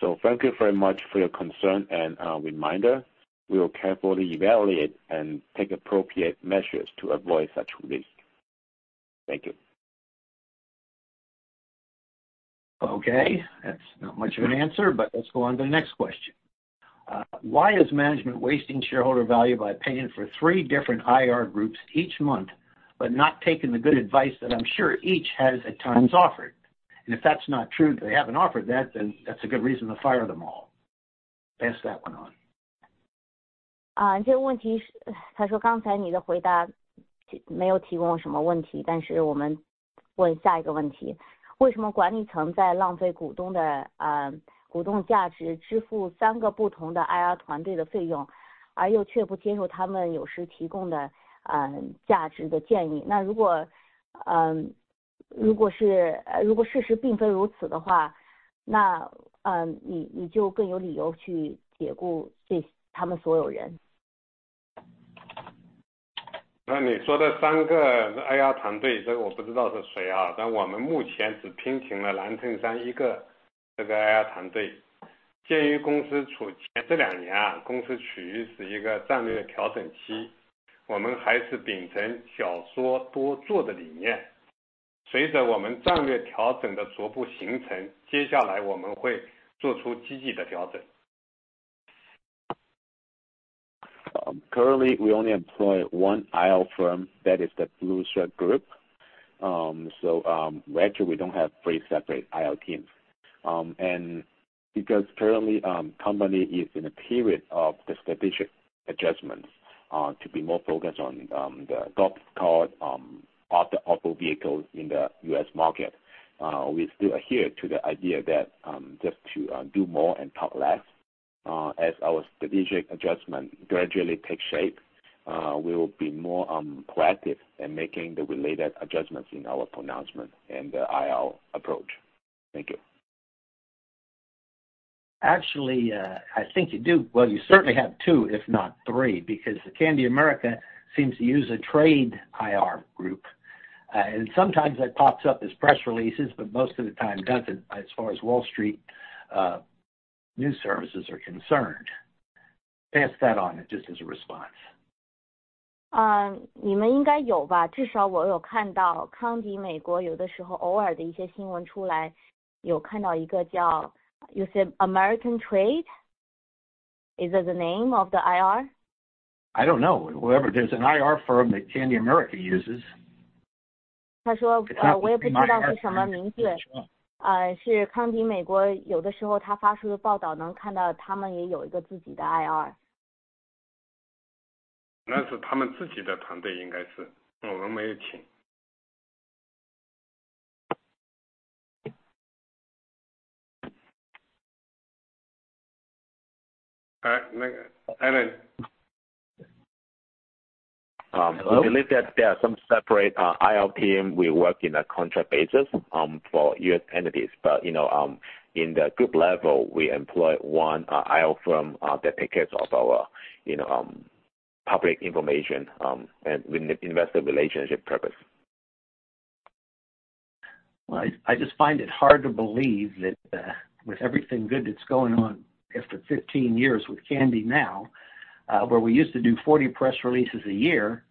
So thank you very much for your concern and reminder. We will carefully evaluate and take appropriate measures to avoid such risk. Thank you. Okay, that's not much of an answer, but let's go on to the next question. Why is management wasting shareholder value by paying for three different IR groups each month, but not taking the good advice that I'm sure each has at times offered? And if that's not true, they haven't offered that, then that's a good reason to fire them all. Pass that one on. 这个问题 是， 他说刚才你的回答没有提供什么 问题， 但是我们问下一个 问题， 为什么管理层在浪费股东 的， 股东 价值， 支付三个不同的 IR 团队的 费用， 而又却不接受他们有时提供 的， 价值的 建议？ 那 如果， Currently, we only employ one IR firm that is the Blueshirt Group. Actually we don't have three separate IR teams. Because currently, company is in a period of strategic adjustments to be more focused on the golf cart, auto, auto vehicles in the U.S. market. We still adhere to the idea that just to do more and talk less. As our strategic adjustment gradually take shape, we will be more proactive in making the related adjustments in our pronouncement and IR approach. Thank you. Actually, I think you do. Well, you certainly have two, if not three, because Kandi America seems to use a trade IR group, and sometimes that pops up as press releases, but most of the time doesn't, as far as Wall Street, news services are concerned. Pass that on just as a response. You should have it, right? At least I've seen some occasional news coming out when Kandi America has it. I've seen one called, You said American Trade? Is it the name of the IR? I don't know. Whatever, there's an IR firm that Kandi America uses. 他说，我也不知道是什么名字。是康迪美国有的，有的时候他发出的报道能看到他们也有一个自己的IR。那是他们自己的团队，应该是，我们没有请。Next, Alan。Um- Hello。We believe that there are some separate IR team. We work in a contract basis for U.S. entities. But you know, in the group level, we employ one IR firm that takes care of our, you know, public information and investor relations purpose. Well, I just find it hard to believe that with everything good that's going on after 15 years with Kandi now, where we used to do 40 press releases a year,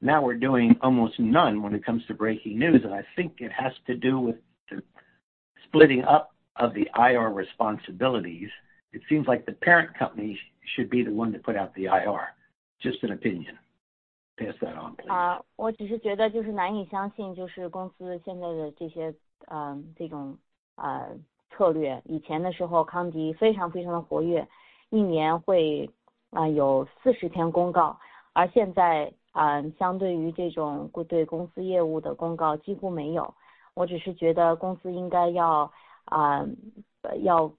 now we're doing almost none when it comes to breaking news. And I think it has to do with the splitting up of the IR responsibilities. It seems like the parent company should be the one to put out the IR. Just an opinion. Pass that on please. 我只是觉得就是难以相信，就是公司现在的这些，这种策略，以前的的时候，康迪非常非常的活跃，一年会有40篇公告，而现在，相对于这种对公司业务的公告几乎没有。我只是觉得公司应该要，要......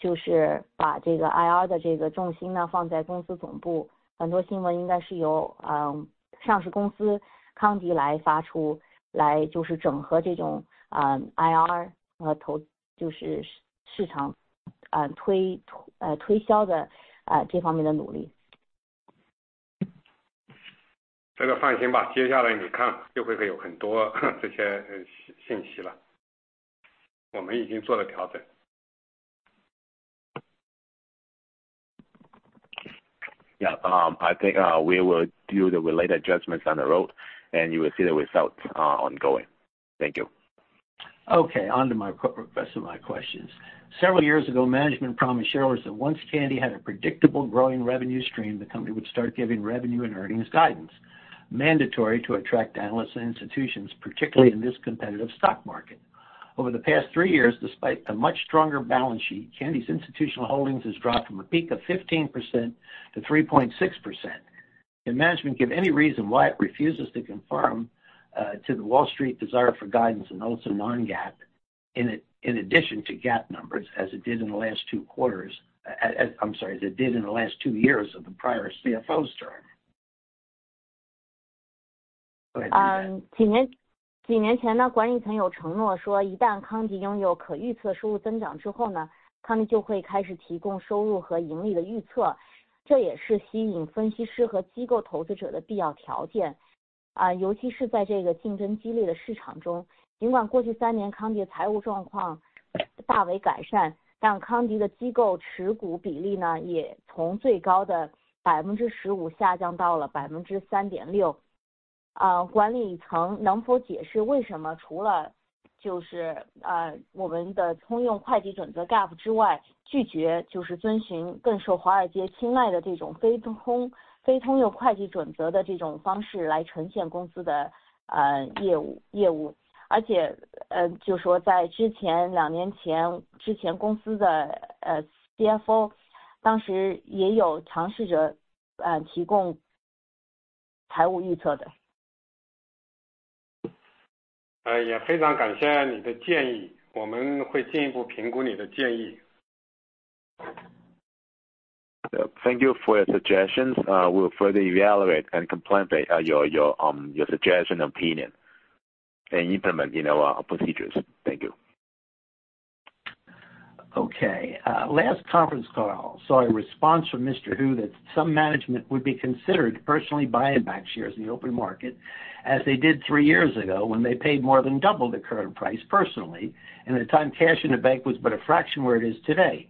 就是把这个IR的这个重心呢，放在公司总部，很多新闻应该是由上市公司康迪来发出的，就是整合这种IR和投资，就是市场推广的，这方面的努力。这个放心吧，接下来你看就会有很多这些信息了。我们已经做了调整。Yeah, I think we will do the related adjustments on the road, and you will see the results ongoing. Thank you. Okay, on to my rest of my questions. Several years ago, management promised shareholders that once Kandi had a predictable growing revenue stream, the company would start giving revenue and earnings guidance, mandatory to attract analysts and institutions, particularly in this competitive stock market. Over the past three years, despite a much stronger balance sheet, Kandi's institutional holdings has dropped from a peak of 15% to 3.6%. Can management give any reason why it refuses to confirm to the Wall Street desire for guidance and also non-GAAP in addition to GAAP numbers, as it did in the last two quarters, I'm sorry, as it did in the last two years of the prior CFO's term? 几年前，管理层有承诺说，一旦康迪拥有可预测收入增长之后，他们就会开始提供收入和利润的预测，这也是吸引分析师和机构投资者的必要条件。特别是在这个竞争激烈的市场中，尽管过去3年康迪的财务状况大为改善，但康迪的机构持股比例，也从最高的15%下降到了3.6%。管理层能否解释为什么除了我们的GAAP之外，拒绝遵循更受华尔街青睐的非GAAP的方式来呈现公司的业务。而且，就说在两年前，公司之前的CFO，当时也有尝试着提供财务预测的。也非常感谢你的建议，我们会进一步评估你的建议。Thank you for your suggestions, we'll further evaluate and comply with your suggestions and opinions and implement, you know, procedures. Thank you. last conference call, saw a response from Mr. Hu that some management would be considered personally buying back shares in the open market, as they did three years ago, when they paid more than double the current price personally, and at the time, cash in the bank was but a fraction where it is today.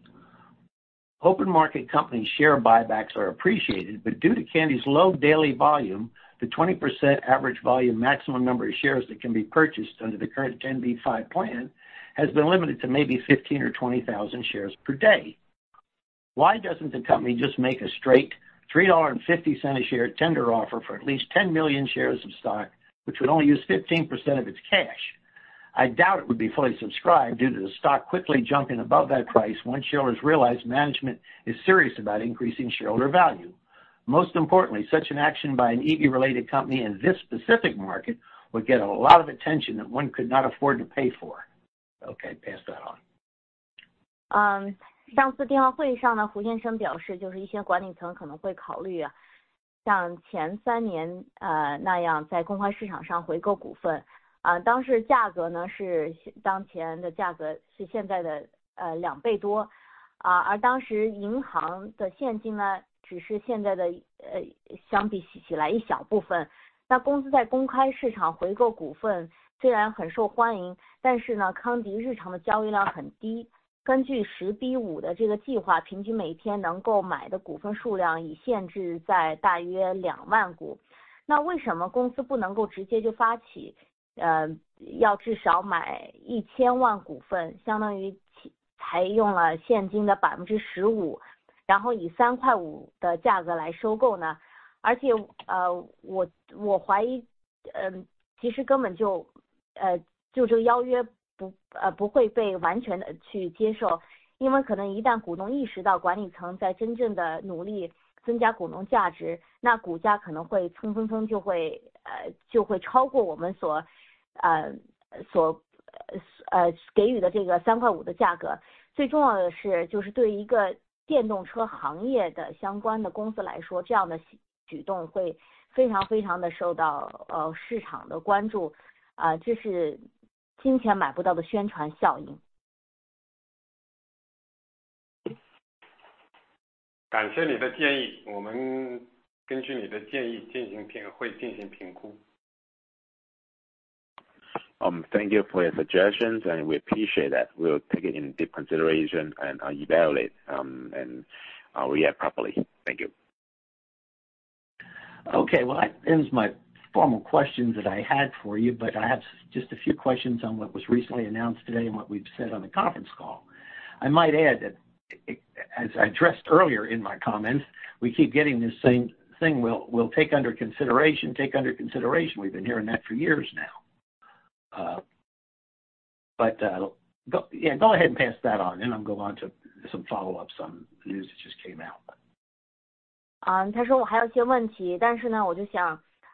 Open market company's share buybacks are appreciated, but due to Kandi's low daily volume, the 20% average volume maximum number of shares that can be purchased under the current 10b5-1 plan has been limited to maybe 15,000 or 20,000 shares per day. Why doesn't the company just make a straight $3.50 a share tender offer for at least 10 million shares of stock, which would only use 15% of its cash? I doubt it would be fully subscribed due to the stock quickly jumping above that price once shareholders realize management is serious about increasing shareholder value. Most importantly, such an action by an EV related company in this specific market would get a lot of attention that one could not afford to pay for. OK, pass that on. Last conference call, Mr. Hu indicated that some management might consider, like the first three years, that way on the open market to repurchase shares. At that time the price was more than two times the current price, and at that time the cash in the bank was only a small portion compared to now. The company repurchasing shares on the open market although very welcome, but Kandi's daily trading volume is very low. According to the 10b5-1 plan, the average daily number of shares that can be bought is limited to approximately 20,000 shares. So why cannot the company directly initiate to at least buy 10 million shares, equivalent to only using 15% of the cash, and then acquire at a price of $3.50? Moreover, I suspect that actually this tender offer will not be completely accepted, because once shareholders realize that management is really making efforts to increase shareholder value, the stock price may soar and exceed the $3.50 price given. Most importantly, for a company related to the electric vehicle industry, such actions will very much receive the market's attention. This is a promotional effect that money cannot buy. 谢谢你的建议，我们根据你的建议进行评估。Thank you for your suggestions, and we appreciate that. We'll take it into consideration and evaluate, and react properly. Thank you. well, that ends my formal questions that I had for you, but I have just a few questions on what was recently announced today and what we've said on the conference call. I might add that, as I addressed earlier in my comments, we keep getting this same thing. We'll take under consideration, take under consideration. We've been hearing that for years now, but go ahead and pass that on, and I'm go on to some follow up some news that just came out.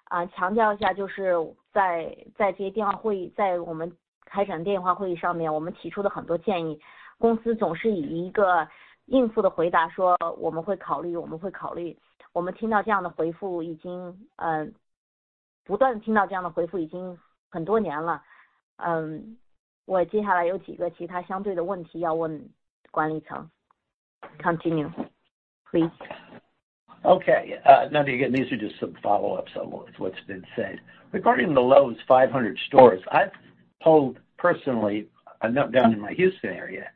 ...他说我还有些问题，但是，我就想，强调一下，就是在，在这些电话会议，在我们开展电话会议上面，我们提出的很多建议，公司总是一个应付的回答说我们会考虑，我们会考虑。我们听到这样的回复已经，不断听到这样的回复，已经很多年了。我接下来有几个其他相对的问题要问管理层。Continue please。OK, now these are just some follow up. So what's been said regarding the Lowe's 500 stores. I've told personally I'm not down in my Houston area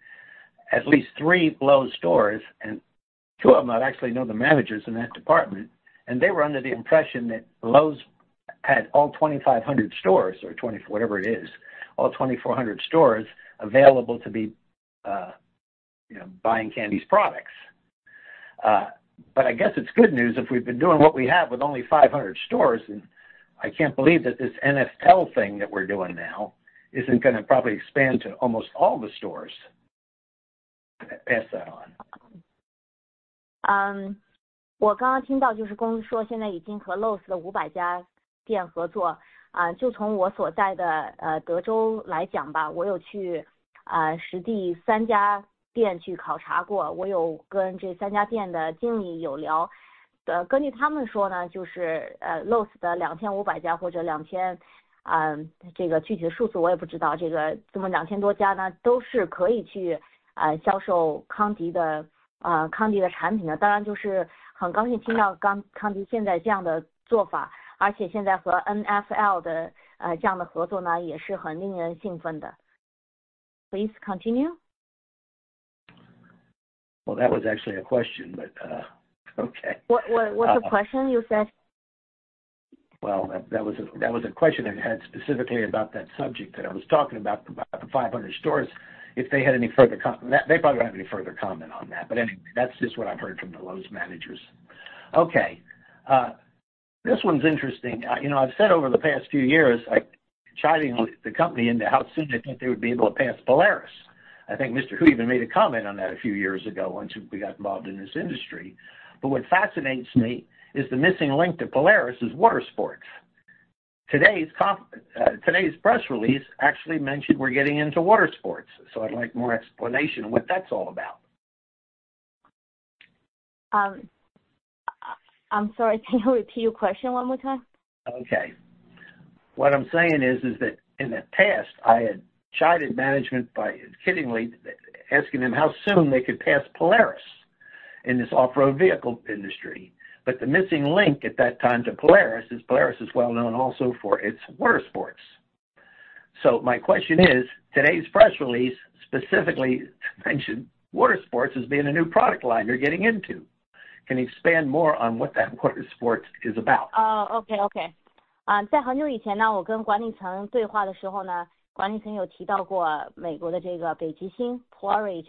at least three Lowe's stores, and two of them I've actually know the managers in that department. And they were under the impression that Lowe's had all 2,500 stores or twenty whatever it is, all 2,400 stores available to be, you know, buying Kandi's products. But I guess it's good news if we've been doing what we have with only 500 stores. And I can't believe that this NFL thing that we're doing now isn't going to probably expand to almost all the stores. Pass that on. I just heard that the company said now it has already cooperated with 500 stores of Lowe's. From where I am in Texas, I have gone to three stores on site to examine. I have chatted with the managers of these three stores. According to them, Lowe's 2,500 stores or 2,000, I don't know the specific number, but so many more than 2,000 stores, all can sell Kandi's products. Of course, very happy to hear Kandi now such practice, and now with NFL's such cooperation, also very exciting. Please continue. Well, that was actually a question, but okay. What's the question you said? Well, that was, that was a question I had specifically about that subject that I was talking about, about the 500 stores, if they had any further comment—they probably don't have any further comment on that. But anyway, that's just what I've heard from the Lowe's managers. Okay, this one's interesting. You know, I've said over the past few years, I chiding the company into how soon they think they would be able to pass Polaris. I think Mr. Hu even made a comment on that a few years ago once we got involved in this industry. But what fascinates me is the missing link to Polaris is water sports. Today's press release actually mentioned we're getting into water sports, so I'd like more explanation what that's all about. I'm sorry, can you repeat your question one more time? what I'm saying is, is that in the past, I had chided management by kiddingly asking them how soon they could pass Polaris in this off-road vehicle industry. But the missing link at that time to Polaris is Polaris is well known also for its water sports. So my question is, today's press release specifically mentioned water sports as being a new product line they're getting into. Can you expand more on what that water sports is about? OK, OK。在很久以前呢，我跟管理层对话的时候呢，管理层有提到过美国的这个北极星 Polaris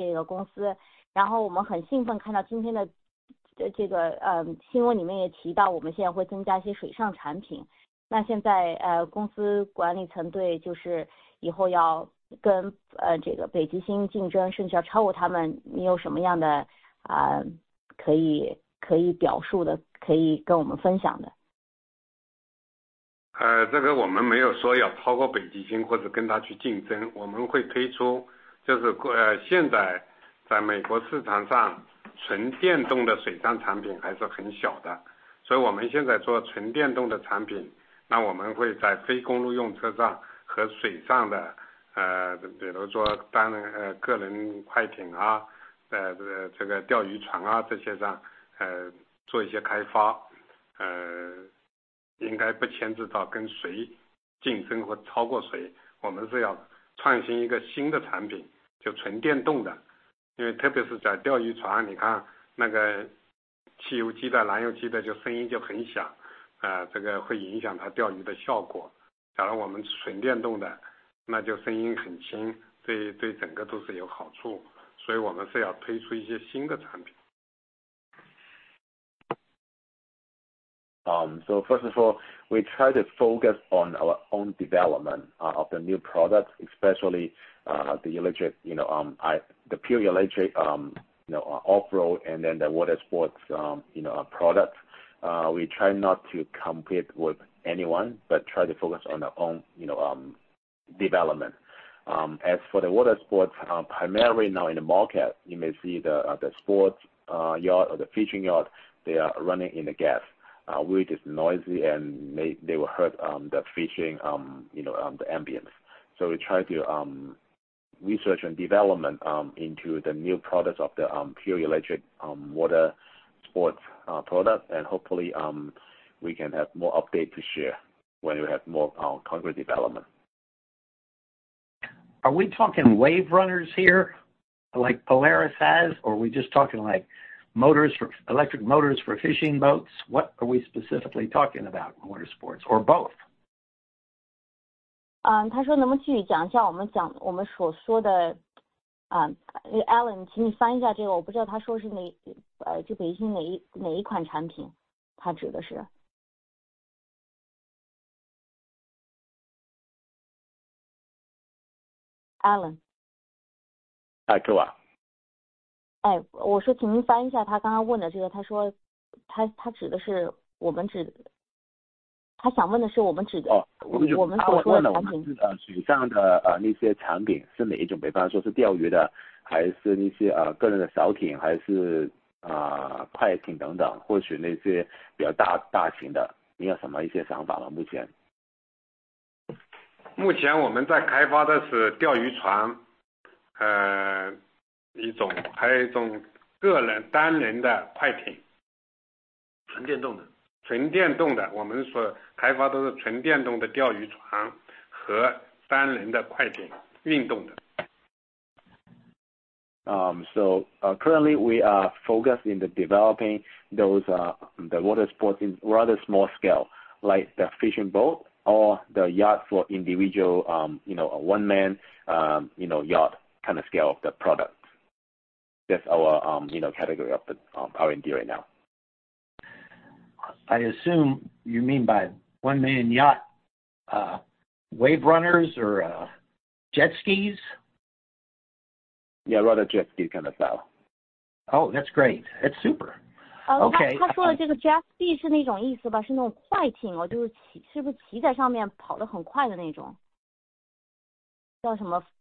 可以，可以表述的，可以跟我们分享的？ So first of all, we try to focus on our own development of the new products, especially, the electric, you know, the pure electric, you know, off-road and then the water sports, you know, our products, we try not to compete with anyone, but try to focus on our own, you know, development. As for the water sports, primarily now in the market, you may see the sports yacht or the fishing yacht. They are running in the gas, which is noisy, and they will hurt the fishing, you know, the ambience. So we try to research and development into the new products of the pure electric water sports product, and hopefully we can have more update to share when we have more concrete development. Are we talking WaveRunners here like Polaris has? Or are we just talking like motors for, electric motors for fishing boats? What are we specifically talking about in water sports? Or both? 他说能不能具体讲一下我们所说的……Alan，请你翻译一下，这个我不知道他说的是哪，就北极星哪一，哪一款产品，他指的是。……Alan。啊，给我。哎，我说请您翻译一下他刚刚问的这个，他说，他，他指的是我们指，他想问的是我们指的，我们，我们说的产品。水上的，那些产品是哪一种？比如说是钓鱼的，还是那些个人的小艇，还是快艇等等，或许那些比较大型的，您有什么一些想法吗，目前。目前我们正在开发的是钓鱼船，一种，还有一种个人的单人的快艇。纯电动的。纯电动的，我们所开发的是纯电动的钓鱼船和单人的快艇，运动的。So, currently we are focus in the developing those are the water sports in rather small scale, like the fishing boat or the yacht for individual, you know, one man, you know, yacht kind of scale of the product. That's our, you know, category of the, R&D right now. I assume you mean by one man yacht, wave runners or, Jet Skis? Yeah, rather Jet Ski kind of style. Oh, that's great! It's super. OK. 他说这个Jet Ski是那种意思吧，是那种快艇，就是骑，是不是骑在上面跑得很快的那种。叫什么？他说的叫什么什么什么runner。就是类似水上电动车了，是吧，类似这样子嘛，侯总。我不知道这个，所以我想确保一下，我们不要回答错了。请问一下好不好，我- 我们不是歧视的。但他说，他说的那种，Alan是指骑的那种吗？那种快艇嘛。哎，Alan，你把我刚才说的话都翻译过去了，翻准了吗？他可能没，你没翻译清楚吧。因为我们生产的是个人快艇，就坐在里面的新品种，我不是绑人家的，是我们创新的东西，纯电动的。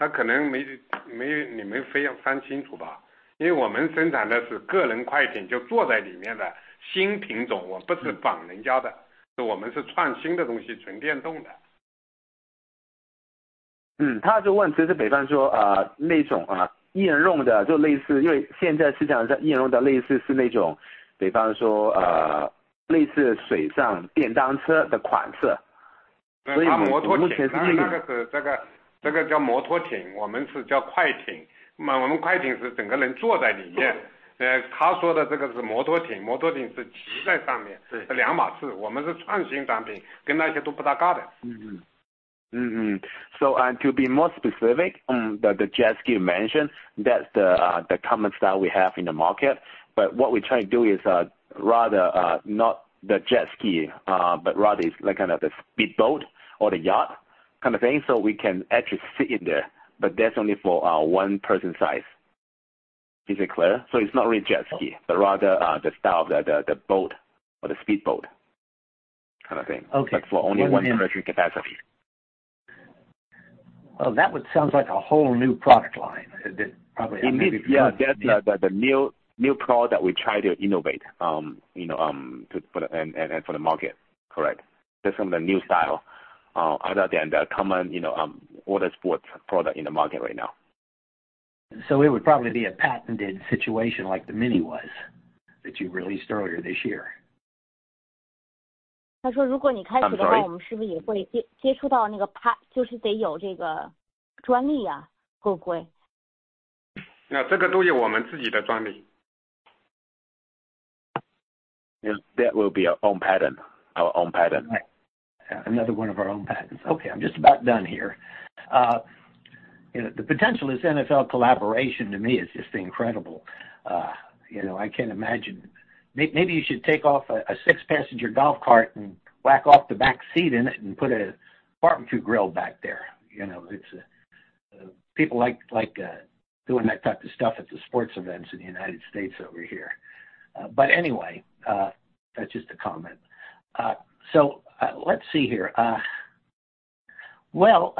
两码事，我们是创新产品，跟那些都不搭边的。So, to be more specific, that's the jet ski mention. That's the comments that we have in the market. But what we try to do is, rather, not the jet ski, but rather is like kind of the speed boat or the yacht kind of things, so we can actually sit in there, but that's only for one person size. Is it clear? So it's not really jet ski, but rather the style, the boat or the speed boat kind of thing. OK。But for only one person capacity. Well, that would sounds like a whole new product line, that probably- Indeed, yeah, that's the new product that we try to innovate. You know, to put and for the market. Correct. That's from the new style, other than the common, you know, water sports product in the market right now. It would probably be a patented situation like the mini was, that you released earlier this year. 他说，如果开始的话，我们是不是也会接触到那个pa，就是得有这个专利啊，对不对？ 那这个都有我们自己的专利。That will be our own patent, our own patent. Another one of our own patents. OK, I'm just about done here. You know, the potential is NFL collaboration to me is just incredible. You know, I can't imagine, maybe you should take off a six-passenger golf cart and whack off the back seat in it, and put a barbecue grill back there. You know, it's people like, like doing that type of stuff at the sports events in the United States over here. But anyway, that's just a comment. So let's see here. Well,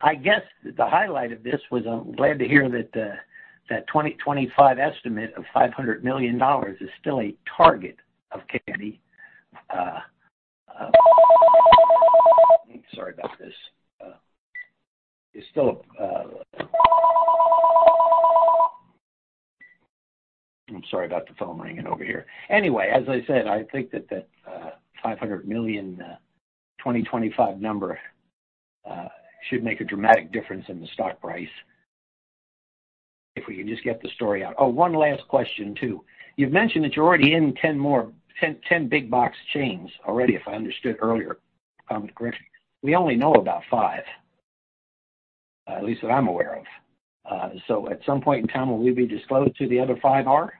I guess the highlight of this was I'm glad to hear that the, that 2025 estimate of $500 million is still a target of Kandi, uh... Sorry about this, it's still. I'm sorry about the phone ringing over here. Anyway, as I said, I think that the $500 million 2025 number should make a dramatic difference in the stock price if we can just get the story out. Oh, one last question too. You've mentioned that you're already in 10 more, 10, 10 big box chains already, if I understood earlier, correct? We only know about 5, at least that I'm aware of. So at some point in time, will we be disclosed to the other five are?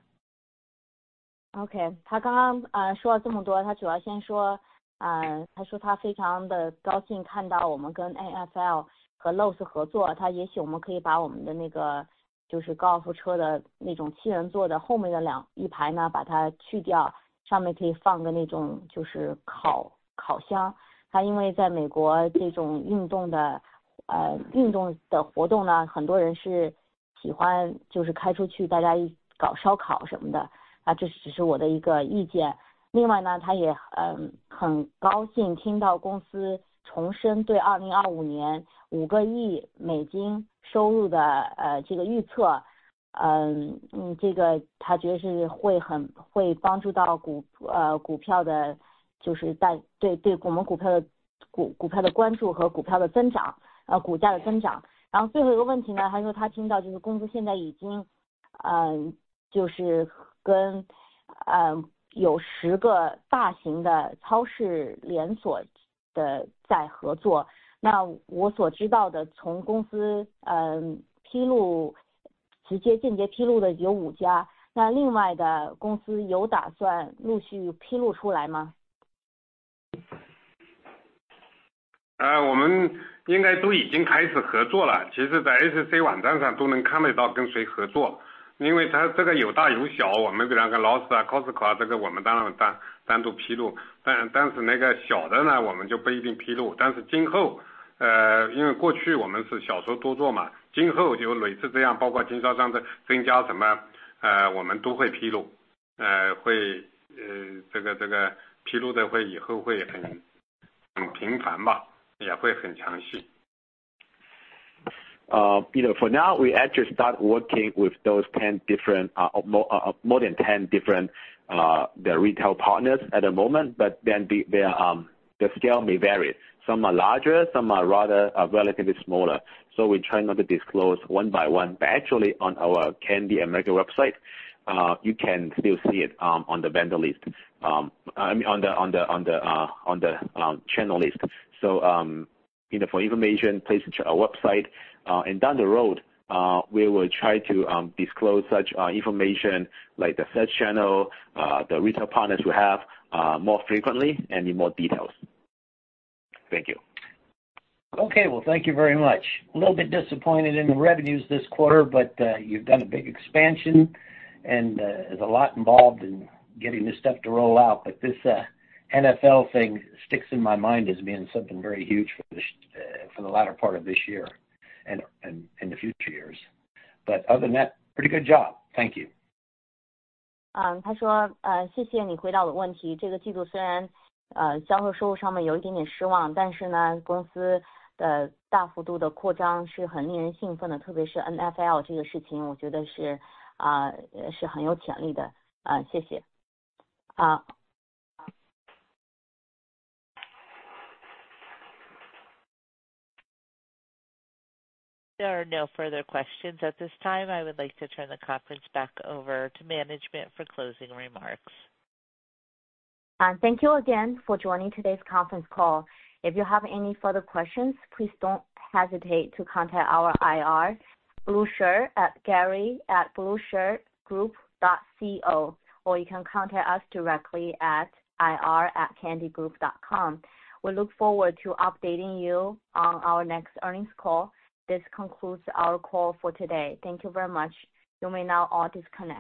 OK，他刚刚说了这么多，他主要先说，他说他非常高兴，看到我们跟 NFL 和 Lowe's 合作，他也许我们可以把我们的那个就是高尔夫车的那种七人座的后面两，一排呢把它去掉，上面可以放个那种就是烤箱。他因为在美国这种运动的，运动的活动呢，很多人是喜欢，就是开出去，大家一起搞烧烤什么的。这只是我的一个意见。另外呢，他也很高兴听到公司重申对 2025年 $500 million 收入的，这个预测。这个他觉得是会很，会帮助到股票的，就是在，对，对我们股票的-... 我们应该都已经开始合作了，其实在SC网站上都能看到跟谁合作，因为它这个有大有小，我们这两个Lowe's、Costco，这个我们当然单独披露，但是那个小的呢，我们就不一定披露。但是今后，因为过去我们是小规模多做嘛，今后就每次这样，包括经销商的增加什么，我们都会披露，这个披露的以后会很频繁吧，也会很详细。You know, for now, we actually start working with those 10 different, more than 10 different, the retail partners at the moment, but then the, their, the scale may vary. Some are larger, some are rather, relatively smaller. So we try not to disclose one by one, but actually on our Kandi America website, you can still see it, on the vendor list, I mean on the channel list. So, you know, for information, please check our website, and down the road, we will try to disclose such information like the third channel, the retail partners we have, more frequently and in more details. Thank you. Okay, well, thank you very much. A little bit disappointed in the revenues this quarter, but you've done a big expansion, and there's a lot involved in getting this stuff to roll out. But this NFL thing sticks in my mind as being something very huge for this, for the latter part of this year and the future years. But other than that, pretty good job. Thank you. 他说，谢谢你回答我的问题。这个季度虽然，销售收入上面有一点点失望，但是呢，公司的幅度的大扩张是很令人兴奋的，特别是NFL这件事，我觉得是，是很有潜力的。谢谢。There are no further questions at this time. I would like to turn the conference back over to management for closing remarks. Thank you again for joining today's conference call. If you have any further questions, please don't hesitate to contact our IR Blueshirt, gary@blueshirtgroup.com, or you can contact us directly at ir@kandigroup.com. We look forward to updating you on our next earnings call. This concludes our call for today. Thank you very much. You may now all disconnect.